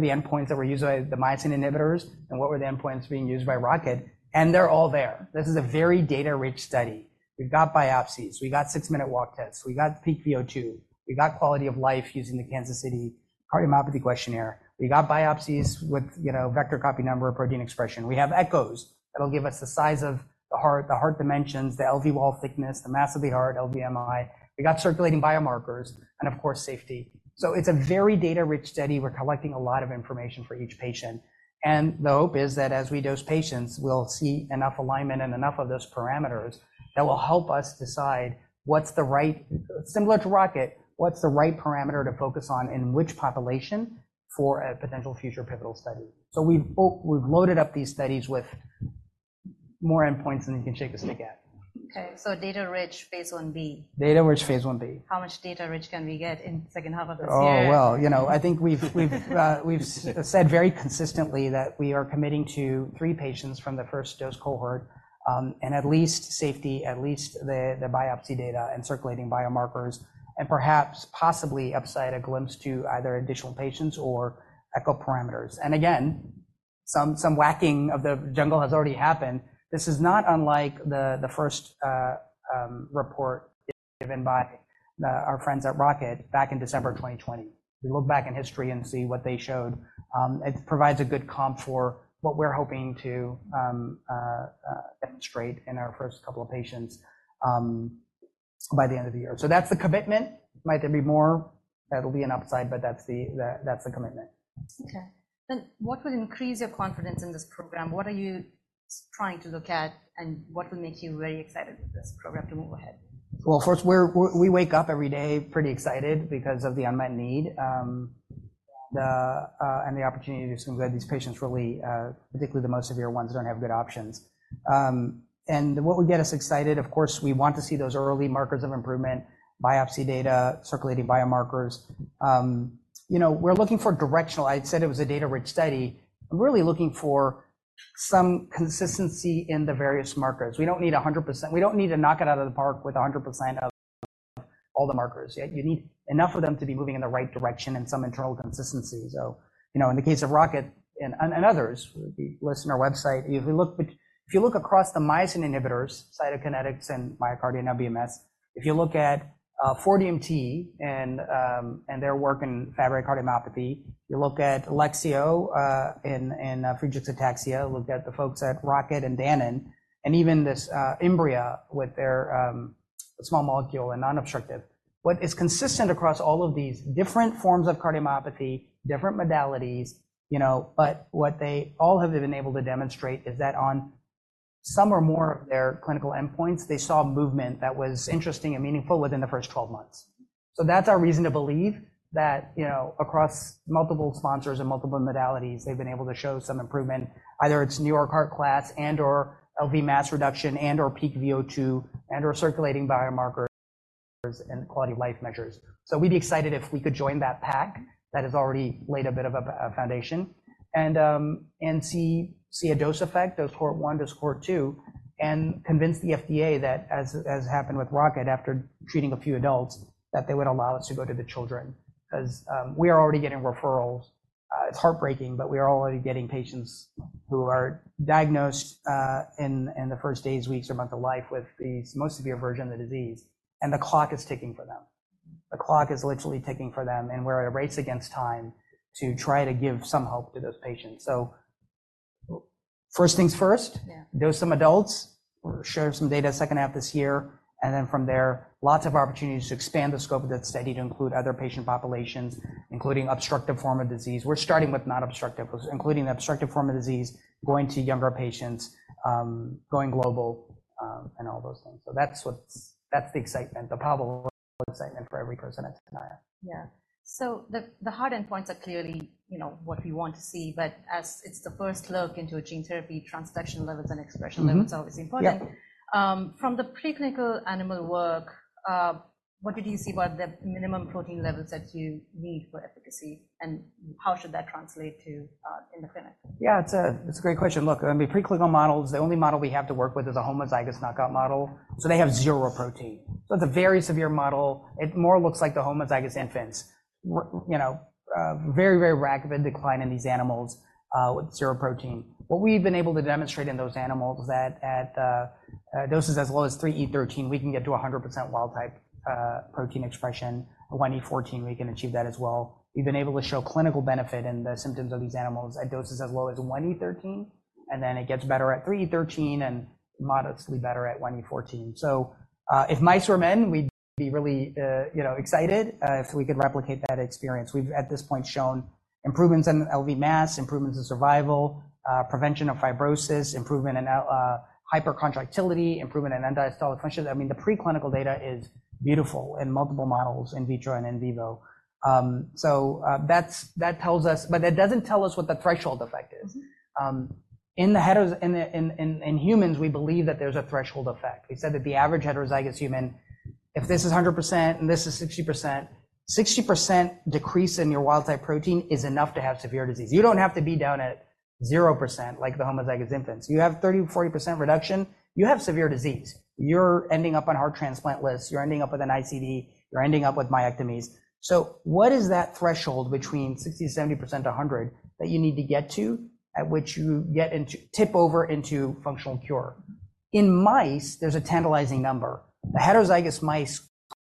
S3: the endpoints that were used by the myosin inhibitors, and what were the endpoints being used by Rocket, and they're all there. This is a very data-rich study. We've got biopsies, we got six-minute walk tests, we got peak VO2, we got quality of life using the Kansas City Cardiomyopathy Questionnaire. We got biopsies with, you know, vector copy number and protein expression. We have echoes that'll give us the size of the heart, the heart dimensions, the LV wall thickness, the mass of the heart, LVMI. We got circulating biomarkers, and of course, safety. So it's a very data-rich study. We're collecting a lot of information for each patient, and the hope is that as we dose patients, we'll see enough alignment and enough of those parameters that will help us decide what's the right... Similar to Rocket, what's the right parameter to focus on in which population for a potential future pivotal study? So we've loaded up these studies with more endpoints than you can shake a stick at.
S5: Okay, so data-rich phase I-B?
S3: Data-rich phase I-B.
S5: How much data-rich can we get in second half of this year?
S3: Oh, well, you know, I think we've, we've said very consistently that we are committing to three patients from the first dose cohort, and at least safety, at least the biopsy data and circulating biomarkers, and perhaps possibly upside a glimpse to either additional patients or echo parameters. And again, some whacking of the jungle has already happened. This is not unlike the first report given by our friends at Rocket back in December 2020. If we look back in history and see what they showed, it provides a good comp for what we're hoping to demonstrate in our first couple of patients by the end of the year. So that's the commitment. Might there be more? That'll be an upside, but that's the commitment.
S5: Okay. Then what would increase your confidence in this program? What are you trying to look at, and what will make you very excited with this program to move ahead?
S3: Well, first, we wake up every day pretty excited because of the unmet need and the opportunity to do some good. These patients really, particularly the most severe ones, don't have good options. And what would get us excited, of course, we want to see those early markers of improvement, biopsy data, circulating biomarkers. You know, we're looking for directional. I said it was a data-rich study. I'm really looking for some consistency in the various markers. We don't need 100%. We don't need to knock it out of the park with 100% of all the markers. Yet you need enough of them to be moving in the right direction and some internal consistency. So, you know, in the case of Rocket and others, if you list in our website, if you look across the myosin inhibitors, Cytokinetics and MyoKardia, BMS, if you look at 4DMT and their work in Fabry cardiomyopathy, you look at Lexeo in Friedreich's ataxia, look at the folks at Rocket and Danon, and even this Imbria, with their small molecule and non-obstructive. What is consistent across all of these different forms of cardiomyopathy, different modalities, you know, but what they all have been able to demonstrate is that on some or more of their clinical endpoints, they saw movement that was interesting and meaningful within the first 12 months. So that's our reason to believe that, you know, across multiple sponsors and multiple modalities, they've been able to show some improvement. Either it's New York heart class and/or LV mass reduction, and/or peak VO2, and/or circulating biomarkers and quality of life measures. So we'd be excited if we could join that pack that has already laid a bit of a foundation and see a dose effect, dose Cohort 1 to Cohort 2, and convince the FDA that as happened with Rocket after treating a few adults, that they would allow us to go to the children, 'cause we are already getting referrals. It's heartbreaking, but we are already getting patients who are diagnosed in the first days, weeks, or month of life with this most severe version of the disease, and the clock is ticking for them. The clock is literally ticking for them, and we're at a race against time to try to give some hope to those patients. First things first.
S5: Yeah.
S3: Dose some adults, share some data second half this year, and then from there, lots of opportunities to expand the scope of that study to include other patient populations, including obstructive form of disease. We're starting with non-obstructive, including the obstructive form of disease, going to younger patients, going global, and all those things. So that's what's-- that's the excitement, the probable excitement for every person at Tenaya.
S5: Yeah. So the hard endpoints are clearly, you know, what we want to see, but as it's the first look into a gene therapy, transfection levels and expression levels are always important.
S3: Yep.
S5: From the preclinical animal work, what did you see were the minimum protein levels that you need for efficacy, and how should that translate to in the clinic?
S3: Yeah, it's a great question. Look, I mean, preclinical models, the only model we have to work with is a homozygous knockout model, so they have zero protein. So it's a very severe model. It more looks like the homozygous infants. You know, very, very rapid decline in these animals with zero protein. What we've been able to demonstrate in those animals is that at doses as low as 3E13, we can get to 100% wild type protein expression. At 1E14, we can achieve that as well. We've been able to show clinical benefit in the symptoms of these animals at doses as low as 1E13, and then it gets better at 3E13, and modestly better at 1E14. So, if mice were men, we'd be really, you know, excited, if we could replicate that experience. We've, at this point, shown improvements in LV mass, improvements in survival, prevention of fibrosis, improvement in hypercontractility, improvement in end-diastolic function. I mean, the preclinical data is beautiful in multiple models, in vitro and in vivo. So, that's, that tells us, but that doesn't tell us what the threshold effect is.
S5: Mm-hmm.
S3: In the heterozygous humans, we believe that there's a threshold effect. We said that the average heterozygous human, if this is 100% and this is 60%, 60% decrease in your wild type protein is enough to have severe disease. You don't have to be down at 0% like the homozygous infants. You have 30%-40% reduction, you have severe disease. You're ending up on heart transplant list, you're ending up with an ICD, you're ending up with myectomies. So what is that threshold between 60%, 70%-100%, that you need to get to, at which you get into-- tip over into functional cure? In mice, there's a tantalizing number. The heterozygous mice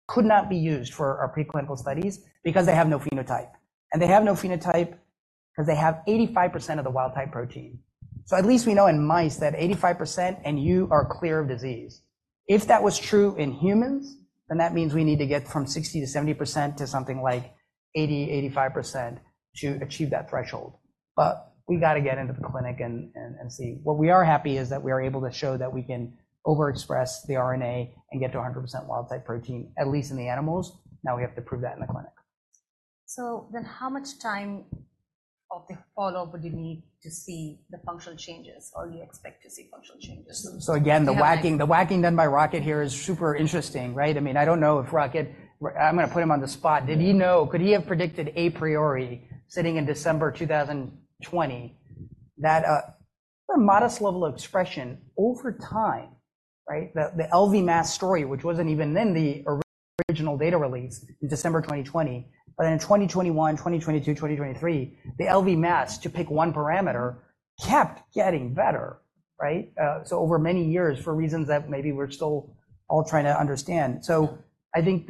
S3: could not be used for our preclinical studies because they have no phenotype, and they have no phenotype because they have 85% of the wild type protein. So at least we know in mice that 85%, and you are clear of disease. If that was true in humans, then that means we need to get from 60%-70% to something like 80%-85% to achieve that threshold. But we got to get into the clinic and see. What we are happy is that we are able to show that we can overexpress the RNA and get to 100% wild type protein, at least in the animals. Now, we have to prove that in the clinic.
S5: How much time of the follow-up would you need to see the functional changes, or you expect to see functional changes?
S4: So again, the whacking, the whacking done by Rocket here is super interesting, right? I mean, I don't know if Rocket-- I'm gonna put him on the spot. Did he know-- Could he have predicted a priori, sitting in December 2020, that a modest level of expression over time, right? The LV mass story, which wasn't even in the original data release in December 2020, but in 2021, 2022, 2023, the LV mass, to pick one parameter, kept getting better, right? So over many years, for reasons that maybe we're still all trying to understand. So I think--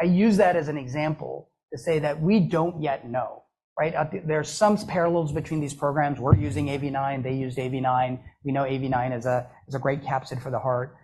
S4: I use that as an example to say that we don't yet know, right? There are some parallels between these programs. We're using AAV9, they used AAV9. We know AAV9 is a great capsid for the heart.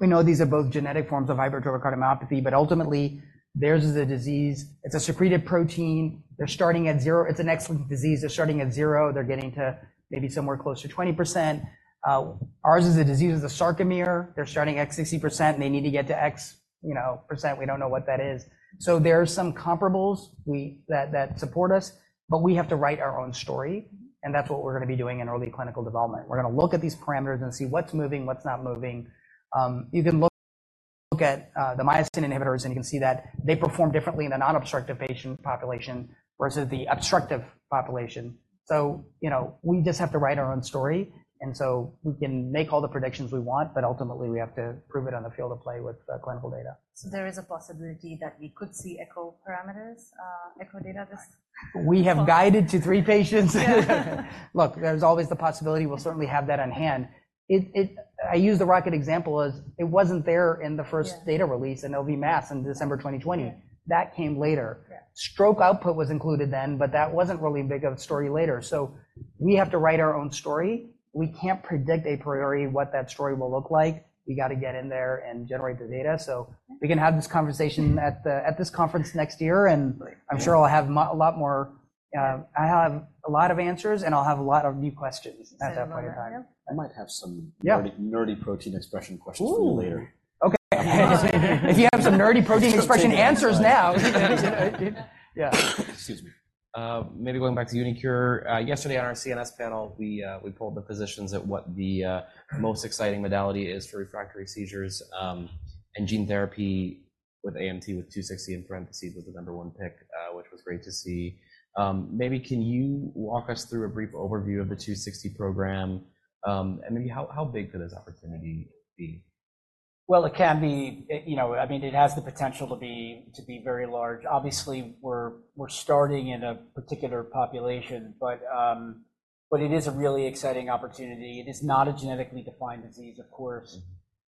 S4: We know these are both genetic forms of hypertrophic cardiomyopathy, but ultimately, theirs is a disease. It's a secreted protein. They're starting at zero. It's an excellent disease. They're starting at zero, they're getting to maybe somewhere close to 20%. Ours is a disease of the sarcomere. They're starting at 60%, and they need to get to X, you know, percent. We don't know what that is. So there are some comparables we that support us, but we have to write our own story, and that's what we're gonna be doing in early clinical development. We're gonna look at these parameters and see what's moving, what's not moving. You can look at the myosin inhibitors, and you can see that they perform differently in a non-obstructive patient population versus the obstructive population. You know, we just have to write our own story, and so we can make all the predictions we want, but ultimately, we have to prove it on the field of play with clinical data.
S5: So there is a possibility that we could see echo parameters, echo data this-
S4: We have guided to three patients.
S5: Yeah.
S4: Look, there's always the possibility we'll certainly have that on hand. It—I use the Rocket example as it wasn't there in the first-
S5: Yeah
S4: data release in LV mass in December 2020.
S5: Yeah.
S4: That came later.
S5: Yeah.
S4: Stroke output was included then, but that wasn't really a big of a story later. So we have to write our own story. We can't predict a priori what that story will look like. We got to get in there and generate the data. So we can have this conversation at this conference next year, and I'm sure I'll have a lot more, I'll have a lot of answers, and I'll have a lot of new questions at that point in time.
S5: And another one here.
S1: I might have some nerdy, nerdy protein expression questions for you later.
S4: Ooh! Okay. If you have some nerdy protein expression answers now. Yeah.
S1: Excuse me. Maybe going back to uniQure, yesterday on our CNS panel, we, we polled the physicians at what the most exciting modality is for refractory seizures, and gene therapy with AMT-260 was the number one pick, which was great to see. Maybe can you walk us through a brief overview of the 260 program, and maybe how big could this opportunity be?
S4: Well, it can be... You know, I mean, it has the potential to be, to be very large. Obviously, we're, we're starting in a particular population, but but it is a really exciting opportunity. It is not a genetically defined disease, of course,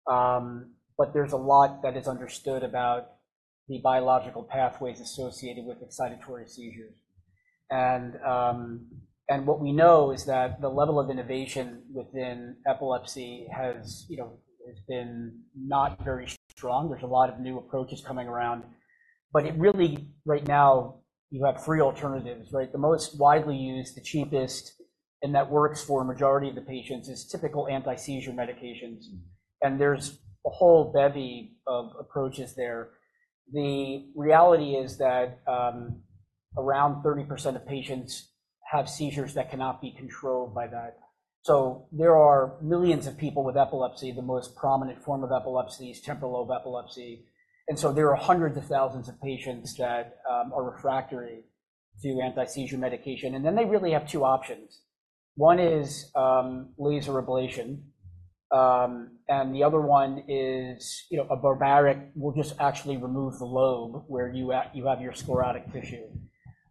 S4: but there's a lot that is understood about the biological pathways associated with excitatory seizures. And and what we know is that the level of innovation within epilepsy has, you know, has been not very strong. There's a lot of new approaches coming around, but it really, right now, you have three alternatives, right? The most widely used, the cheapest, and that works for a majority of the patients, is typical anti-seizure medications, and there's a whole bevy of approaches there. The reality is that, around 30% of patients have seizures that cannot be controlled by that. So there are millions of people with epilepsy. The most prominent form of epilepsy is temporal lobe epilepsy, and so there are hundreds of thousands of patients that are refractory to anti-seizure medication, and then they really have two options. One is laser ablation, and the other one is, you know, a barbaric, we'll just actually remove the lobe where you have your sclerotic tissue.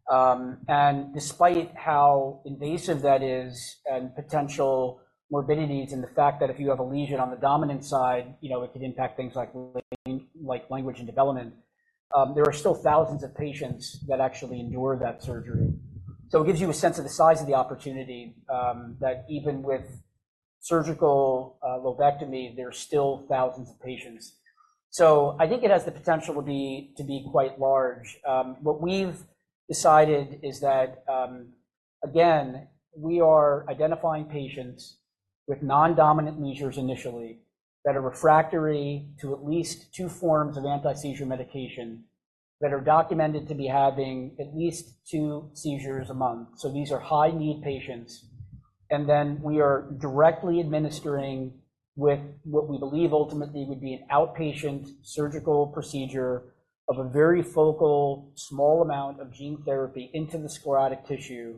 S4: And despite how invasive that is and potential morbidities, and the fact that if you have a lesion on the dominant side, you know, it could impact things like language and development, there are still thousands of patients that actually endure that surgery. So it gives you a sense of the size of the opportunity, that even with surgical lobectomy, there are still thousands of patients. I think it has the potential to be quite large. What we've decided is that, again, we are identifying patients with non-dominant seizures initially, that are refractory to at least two forms of anti-seizure medication, that are documented to be having at least two seizures a month. These are high-need patients, and then we are directly administering with what we believe ultimately would be an outpatient surgical procedure of a very focal, small amount of gene therapy into the sclerotic tissue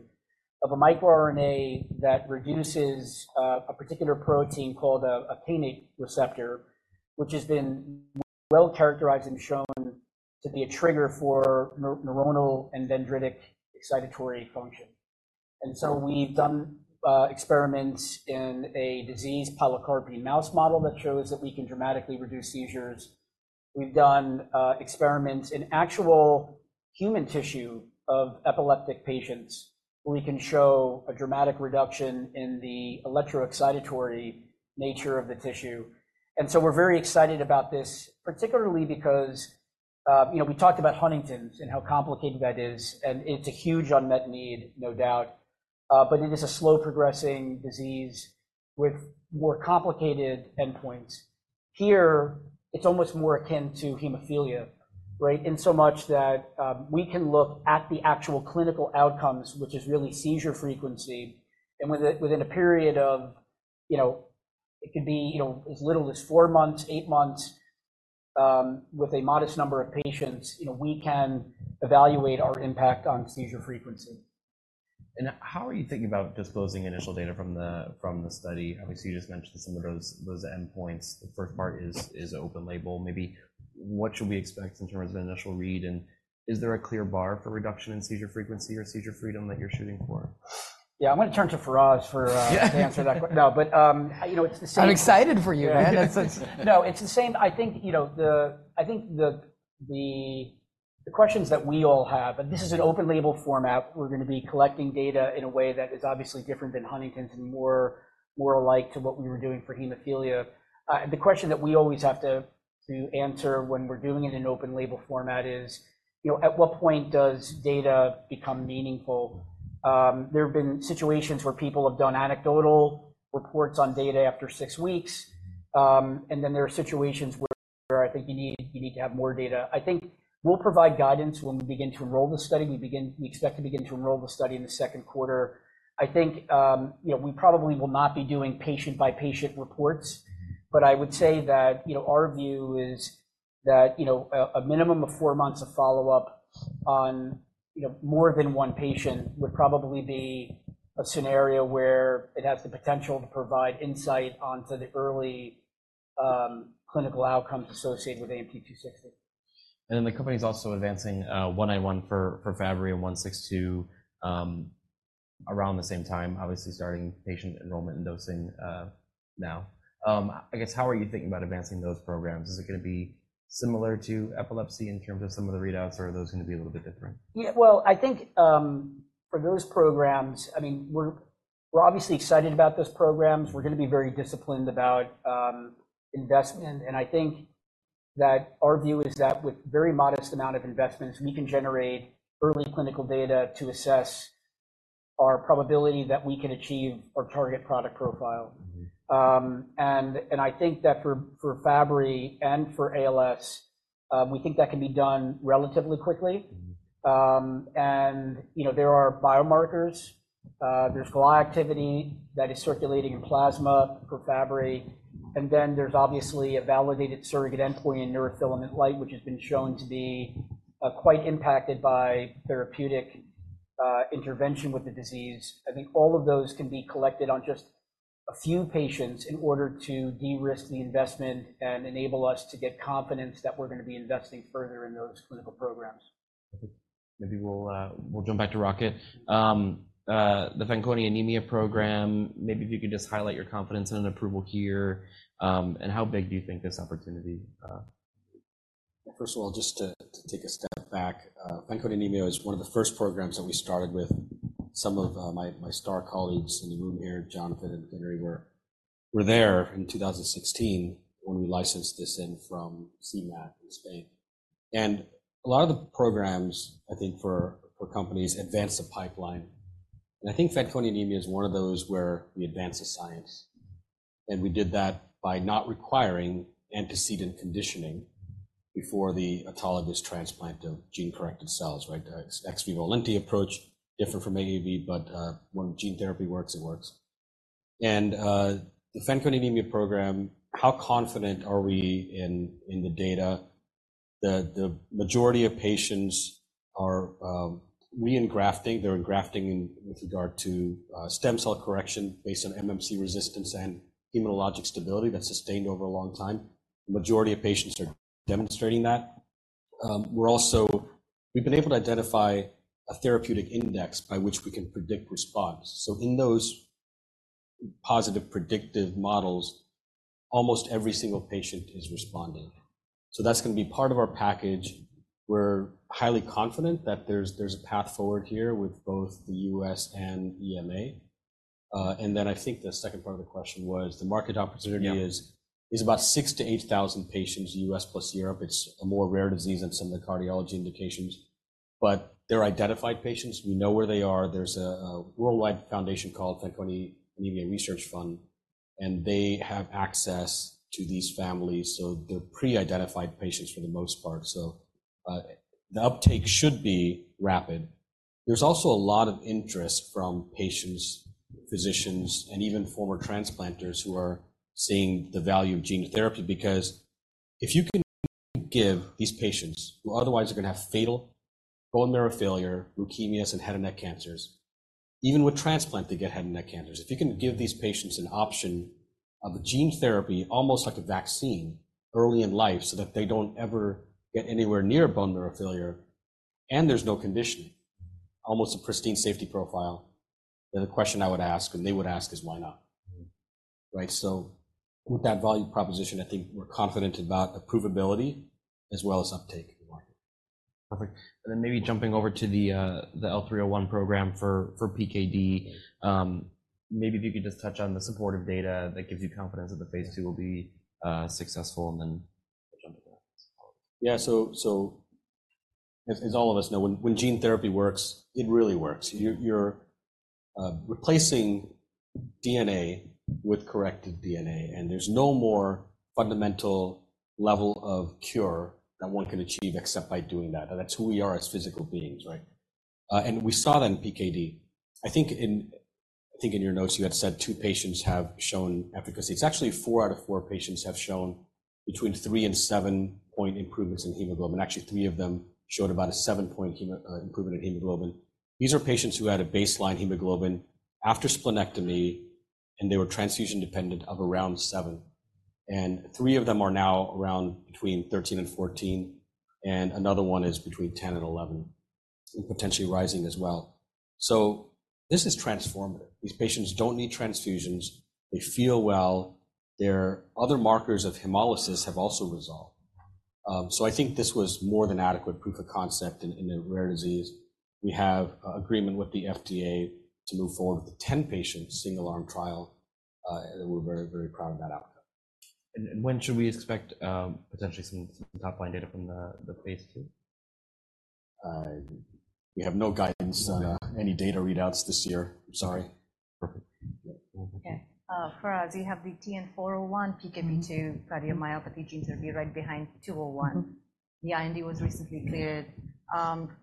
S4: of a microRNA that reduces a particular protein called a Pin1 receptor, which has been well-characterized and shown to be a trigger for neuronal and dendritic excitatory function. And so we've done experiments in a disease pilocarpine mouse model that shows that we can dramatically reduce seizures. We've done experiments in actual human tissue of epileptic patients, where we can show a dramatic reduction in the electroexcitatory nature of the tissue. And so we're very excited about this, particularly because, you know, we talked about Huntington's and how complicated that is, and it's a huge unmet need, no doubt, but it is a slow progressing disease with more complicated endpoints. Here, it's almost more akin to hemophilia, right? In so much that, we can look at the actual clinical outcomes, which is really seizure frequency, and within a period of, you know, it could be, you know, as little as four months, eight months, with a modest number of patients, you know, we can evaluate our impact on seizure frequency.
S1: How are you thinking about disclosing initial data from the study? Obviously, you just mentioned some of those endpoints. The first part is open label. Maybe what should we expect in terms of the initial read, and is there a clear bar for reduction in seizure frequency or seizure freedom that you're shooting for?
S4: Yeah, I'm gonna turn to Faraz to answer that. No, but you know, it's the same-
S3: I'm excited for you.
S4: No, it's the same. I think, you know, the questions that we all have, and this is an open label format, we're gonna be collecting data in a way that is obviously different than Huntington's and more alike to what we were doing for hemophilia. And the question that we always have to answer when we're doing it in open label format is, you know, at what point does data become meaningful? There have been situations where people have done anecdotal reports on data after six weeks, and then there are situations where I think you need to have more data. I think we'll provide guidance when we begin to enroll the study. We expect to begin to enroll the study in the second quarter. I think, you know, we probably will not be doing patient-by-patient reports, but I would say that, you know, our view is that, you know, a minimum of four months of follow-up on, you know, more than one patient would probably be a scenario where it has the potential to provide insight onto the early clinical outcomes associated with AMT-260.
S1: Then the company is also advancing 191 for Fabry and 162 around the same time, obviously, starting patient enrollment and dosing now. I guess, how are you thinking about advancing those programs? Is it gonna be similar to epilepsy in terms of some of the readouts, or are those gonna be a little bit different?
S4: Yeah, well, I think, for those programs, I mean, we're obviously excited about those programs. We're gonna be very disciplined about investment, and I think that our view is that with very modest amount of investments, we can generate early clinical data to assess our probability that we can achieve our target product profile. And I think that for Fabry and for ALS, we think that can be done relatively quickly. And, you know, there are biomarkers. There's [GLA] activity that is circulating in plasma for Fabry, and then there's obviously a validated surrogate endpoint in neurofilament light, which has been shown to be quite impacted by therapeutic intervention with the disease. I think all of those can be collected on just a few patients in order to de-risk the investment and enable us to get confidence that we're gonna be investing further in those clinical programs.
S1: Maybe we'll jump back to Rocket. The Fanconi Anemia program, maybe if you could just highlight your confidence in an approval here, and how big do you think this opportunity?
S2: First of all, just to take a step back, Fanconi Anemia is one of the first programs that we started with. Some of my star colleagues in the room here, Jonathan and Henry, were there in 2016 when we licensed this in from CIEMAT in Spain. And a lot of the programs, I think, for companies advance the pipeline, and I think Fanconi Anemia is one of those where we advance the science. And we did that by not requiring antecedent conditioning before the autologous transplant of gene-corrected cells, right? Ex vivo lenti approach, different from AAV, but when gene therapy works, it works. And the Fanconi Anemia program, how confident are we in the data? The majority of patients are re-engrafting. They're engrafting in with regard to stem cell correction based on MMC resistance and immunologic stability that's sustained over a long time. The majority of patients are demonstrating that. We're also. We've been able to identify a therapeutic index by which we can predict response. So in those positive predictive models, almost every single patient is responding. So that's gonna be part of our package. We're highly confident that there's a path forward here with both the U.S. and EMA. And then I think the second part of the question was the market opportunity.
S1: Yeah...
S2: is about 6,000-8,000 patients, U.S. plus Europe. It's a more rare disease than some of the cardiology indications, but they're identified patients. We know where they are. There's a worldwide foundation called Fanconi Anemia Research Fund, and they have access to these families, so they're pre-identified patients for the most part. So, the uptake should be rapid. There's also a lot of interest from patients, physicians, and even former transplanters who are seeing the value of gene therapy, because if you can give these patients, who otherwise are gonna have fatal bone marrow failure, leukemias and head and neck cancers, even with transplant, they get head and neck cancers. If you can give these patients an option of a gene therapy, almost like a vaccine, early in life, so that they don't ever get anywhere near bone marrow failure, and there's no conditioning, almost a pristine safety profile, then the question I would ask, and they would ask, is why not? Right. So with that value proposition, I think we're confident about approvability as well as uptake in the market.
S1: Perfect. And then maybe jumping over to the L-301 program for PKD, maybe if you could just touch on the supportive data that gives you confidence that the phase II will be successful, and then-...
S3: Yeah, so as all of us know, when gene therapy works, it really works. You're replacing DNA with corrected DNA, and there's no more fundamental level of cure that one can achieve except by doing that. That's who we are as physical beings, right? And we saw that in PKD. I think in your notes, you had said 2 patients have shown efficacy. It's actually 4 out of 4 patients have shown between 3- and 7-point improvements in hemoglobin. Actually, 3 of them showed about a 7-point improvement in hemoglobin. These are patients who had a baseline hemoglobin after splenectomy, and they were transfusion dependent of around 7, and 3 of them are now around between 13 and 14, and another one is between 10 and 11, and potentially rising as well. So this is transformative. These patients don't need transfusions. They feel well. Their other markers of hemolysis have also resolved. So I think this was more than adequate proof of concept in a rare disease. We have a agreement with the FDA to move forward with a 10-patient, single-arm trial, and we're very, very proud of that outcome.
S1: When should we expect potentially some top-line data from the phase II?
S3: We have no guidance on any data readouts this year. Sorry.
S1: Perfect.
S5: Okay. For us, we have the TN-401 PKP2 cardiomyopathy, which will be right behind 201. The IND was recently cleared.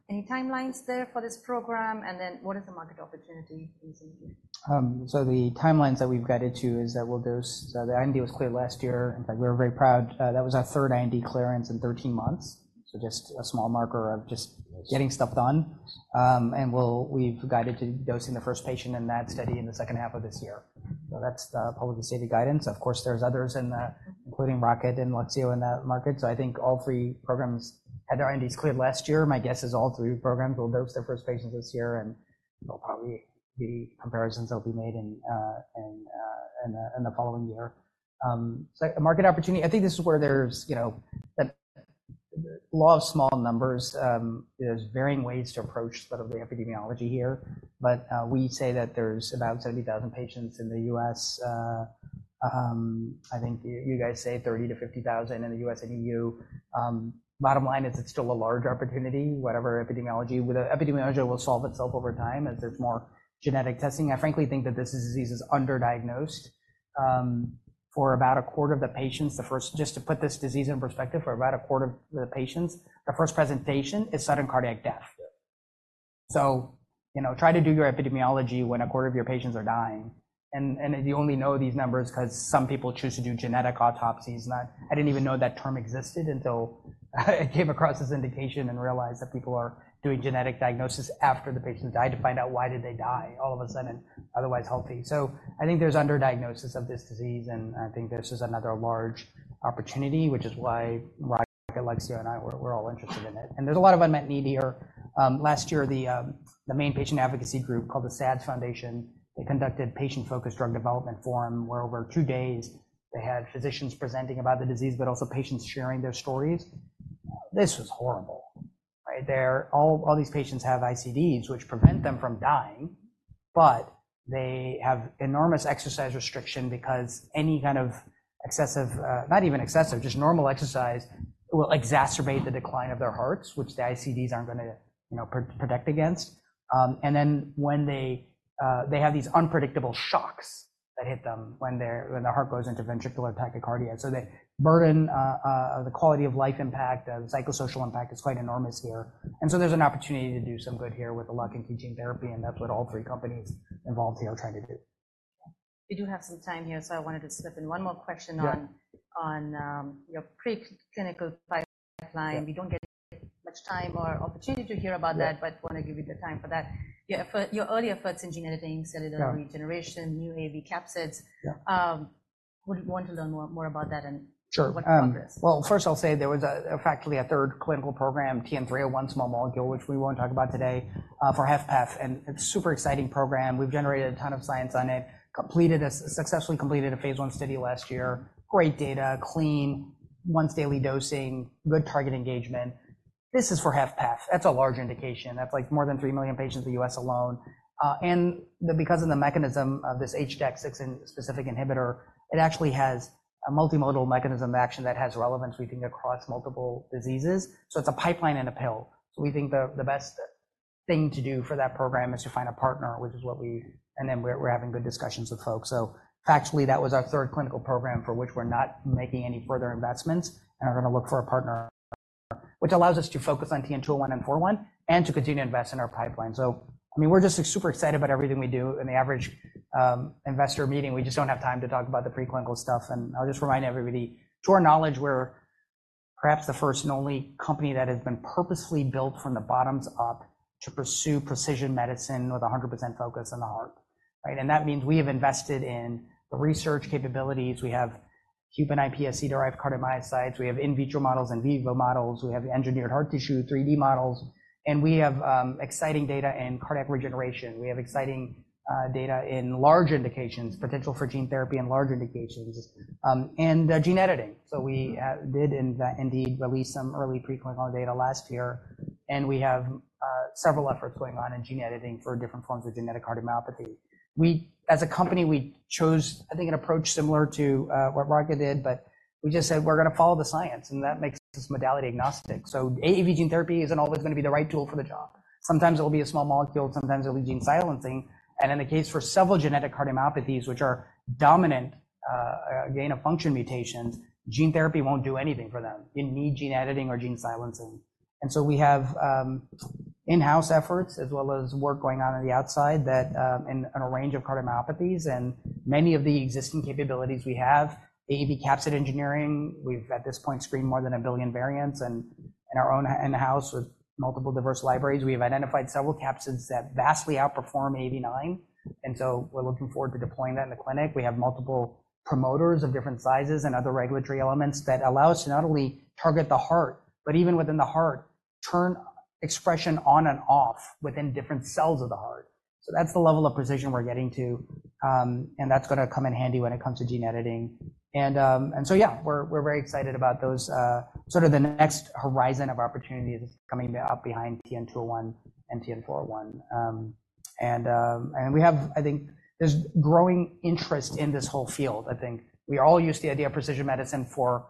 S5: Any timelines there for this program, and then what is the market opportunity in CP?
S3: So the timelines that we've guided to is that we'll dose. So the IND was cleared last year. In fact, we're very proud. That was our third IND clearance in 13 months, so just a small marker of just getting stuff done. And we've guided to dosing the first patient in that study in the second half of this year. So that's the public stated guidance. Of course, there's others in the including Rocket and Lexeo in that market. So I think all three programs had their INDs cleared last year. My guess is all three programs will dose their first patients this year, and there'll probably be comparisons that will be made in the following year. So market opportunity, I think this is where there's, you know, a law of small numbers. There's varying ways to approach sort of the epidemiology here, but, we say that there's about 70,000 patients in the U.S. I think you, you guys say 30,000-50,000 in the U.S. and U. Bottom line is it's still a large opportunity, whatever epidemiology. With the epidemiology will solve itself over time as there's more genetic testing. I frankly think that this disease is underdiagnosed. For about a quarter of the patients, the first. Just to put this disease in perspective, for about a quarter of the patients, the first presentation is sudden cardiac death. So, you know, try to do your epidemiology when a quarter of your patients are dying, and, and you only know these numbers because some people choose to do genetic autopsies. I didn't even know that term existed until I came across this indication and realized that people are doing genetic diagnosis after the patient died to find out why did they die all of a sudden and otherwise healthy. So I think there's underdiagnosis of this disease, and I think this is another large opportunity, which is why Rocket, Lexeo, and I, we're all interested in it. And there's a lot of unmet need here. Last year, the main patient advocacy group called the SADS Foundation, they conducted patient-focused drug development forum, where over two days they had physicians presenting about the disease, but also patients sharing their stories. This was horrible, right? All these patients have ICDs, which prevent them from dying, but they have enormous exercise restriction because any kind of excessive, not even excessive, just normal exercise, will exacerbate the decline of their hearts, which the ICDs aren't gonna protect against. And then when they have these unpredictable shocks that hit them when their heart goes into ventricular tachycardia. So the burden of the quality of life impact, the psychosocial impact is quite enormous here. And so there's an opportunity to do some good here with the luck and gene therapy, and that's what all three companies involved here are trying to do.
S5: We do have some time here, so I wanted to slip in one more question on, your preclinical pipeline. We don't get much time or opportunity to hear about that but want to give you the time for that. Yeah, for your early efforts in gene editing, cellular regeneration, new AAV capsids
S3: Yeah.
S5: would want to learn more about that and-
S3: Sure
S5: - What progress?
S3: Well, first, I'll say there was factually a third clinical program, TN-301, small molecule, which we won't talk about today, for HFpEF, and it's super exciting program. We've generated a ton of science on it, successfully completed a phase I study last year, great data, clean, once daily dosing, good target engagement. This is for HFpEF. That's a large indication. That's, like, more than 3 million patients in the U.S. alone. And the, because of the mechanism of this HDAC6 specific inhibitor, it actually has a multimodal mechanism of action that has relevance, we think, across multiple diseases. So it's a pipeline and a pill. So we think the, the best thing to do for that program is to find a partner, which is what we... And then we're, we're having good discussions with folks. So factually, that was our third clinical program for which we're not making any further investments, and we're gonna look for a partner, which allows us to focus on TN-201 and TN-401, and to continue to invest in our pipeline. So, I mean, we're just super excited about everything we do. In the average investor meeting, we just don't have time to talk about the preclinical stuff. And I'll just remind everybody, to our knowledge, we're perhaps the first and only company that has been purposefully built from the bottoms up to pursue precision medicine with 100% focus on the heart, right? And that means we have invested in the research capabilities. We have human iPSC-derived cardiomyocytes. We have in vitro models and in vivo models. We have engineered heart tissue, 3D models, and we have exciting data in cardiac regeneration. We have exciting data in large indications, potential for gene therapy in large indications, and gene editing. So we did indeed release some early preclinical data last year, and we have several efforts going on in gene editing for different forms of genetic cardiomyopathy. We, as a company, we chose, I think, an approach similar to what Rocket did, but we just said, "We're gonna follow the science," and that makes us modality agnostic. So AAV gene therapy isn't always gonna be the right tool for the job. Sometimes it'll be a small molecule, sometimes it'll be gene silencing. And in the case for several genetic cardiomyopathies, which are dominant, gain-of-function mutations, gene therapy won't do anything for them. You need gene editing or gene silencing. We have in-house efforts, as well as work going on on the outside, that in on a range of cardiomyopathies, and many of the existing capabilities we have, AAV capsid engineering. We've at this point screened more than 1 billion variants, and in our own in-house, with multiple diverse libraries, we have identified several capsids that vastly outperform 89, and so we're looking forward to deploying that in the clinic. We have multiple promoters of different sizes and other regulatory elements that allow us to not only target the heart, but even within the heart, turn expression on and off within different cells of the heart. That's the level of precision we're getting to, and that's gonna come in handy when it comes to gene editing. And so yeah, we're very excited about those sort of the next horizon of opportunity that's coming up behind TN-201 and TN-401. And we have. I think there's growing interest in this whole field, I think. We all use the idea of precision medicine for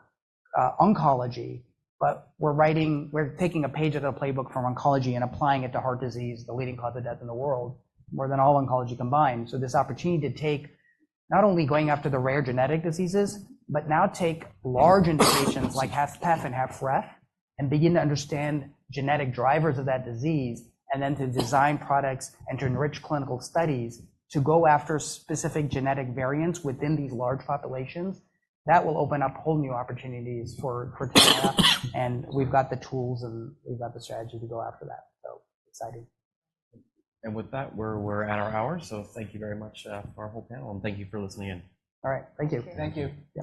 S3: oncology, but we're taking a page out of the playbook from oncology and applying it to heart disease, the leading cause of death in the world, more than all oncology combined. So this opportunity to take, not only going after the rare genetic diseases, but now take large indications like HFpEF and HFrEF, and begin to understand genetic drivers of that disease, and then to design products and to enrich clinical studies, to go after specific genetic variants within these large populations, that will open up whole new opportunities for [Teneya]. We've got the tools, and we've got the strategy to go after that, so excited.
S1: With that, we're, we're at our hour, so thank you very much to our whole panel, and thank you for listening in.
S3: All right. Thank you.
S5: Thank you.
S3: Yeah.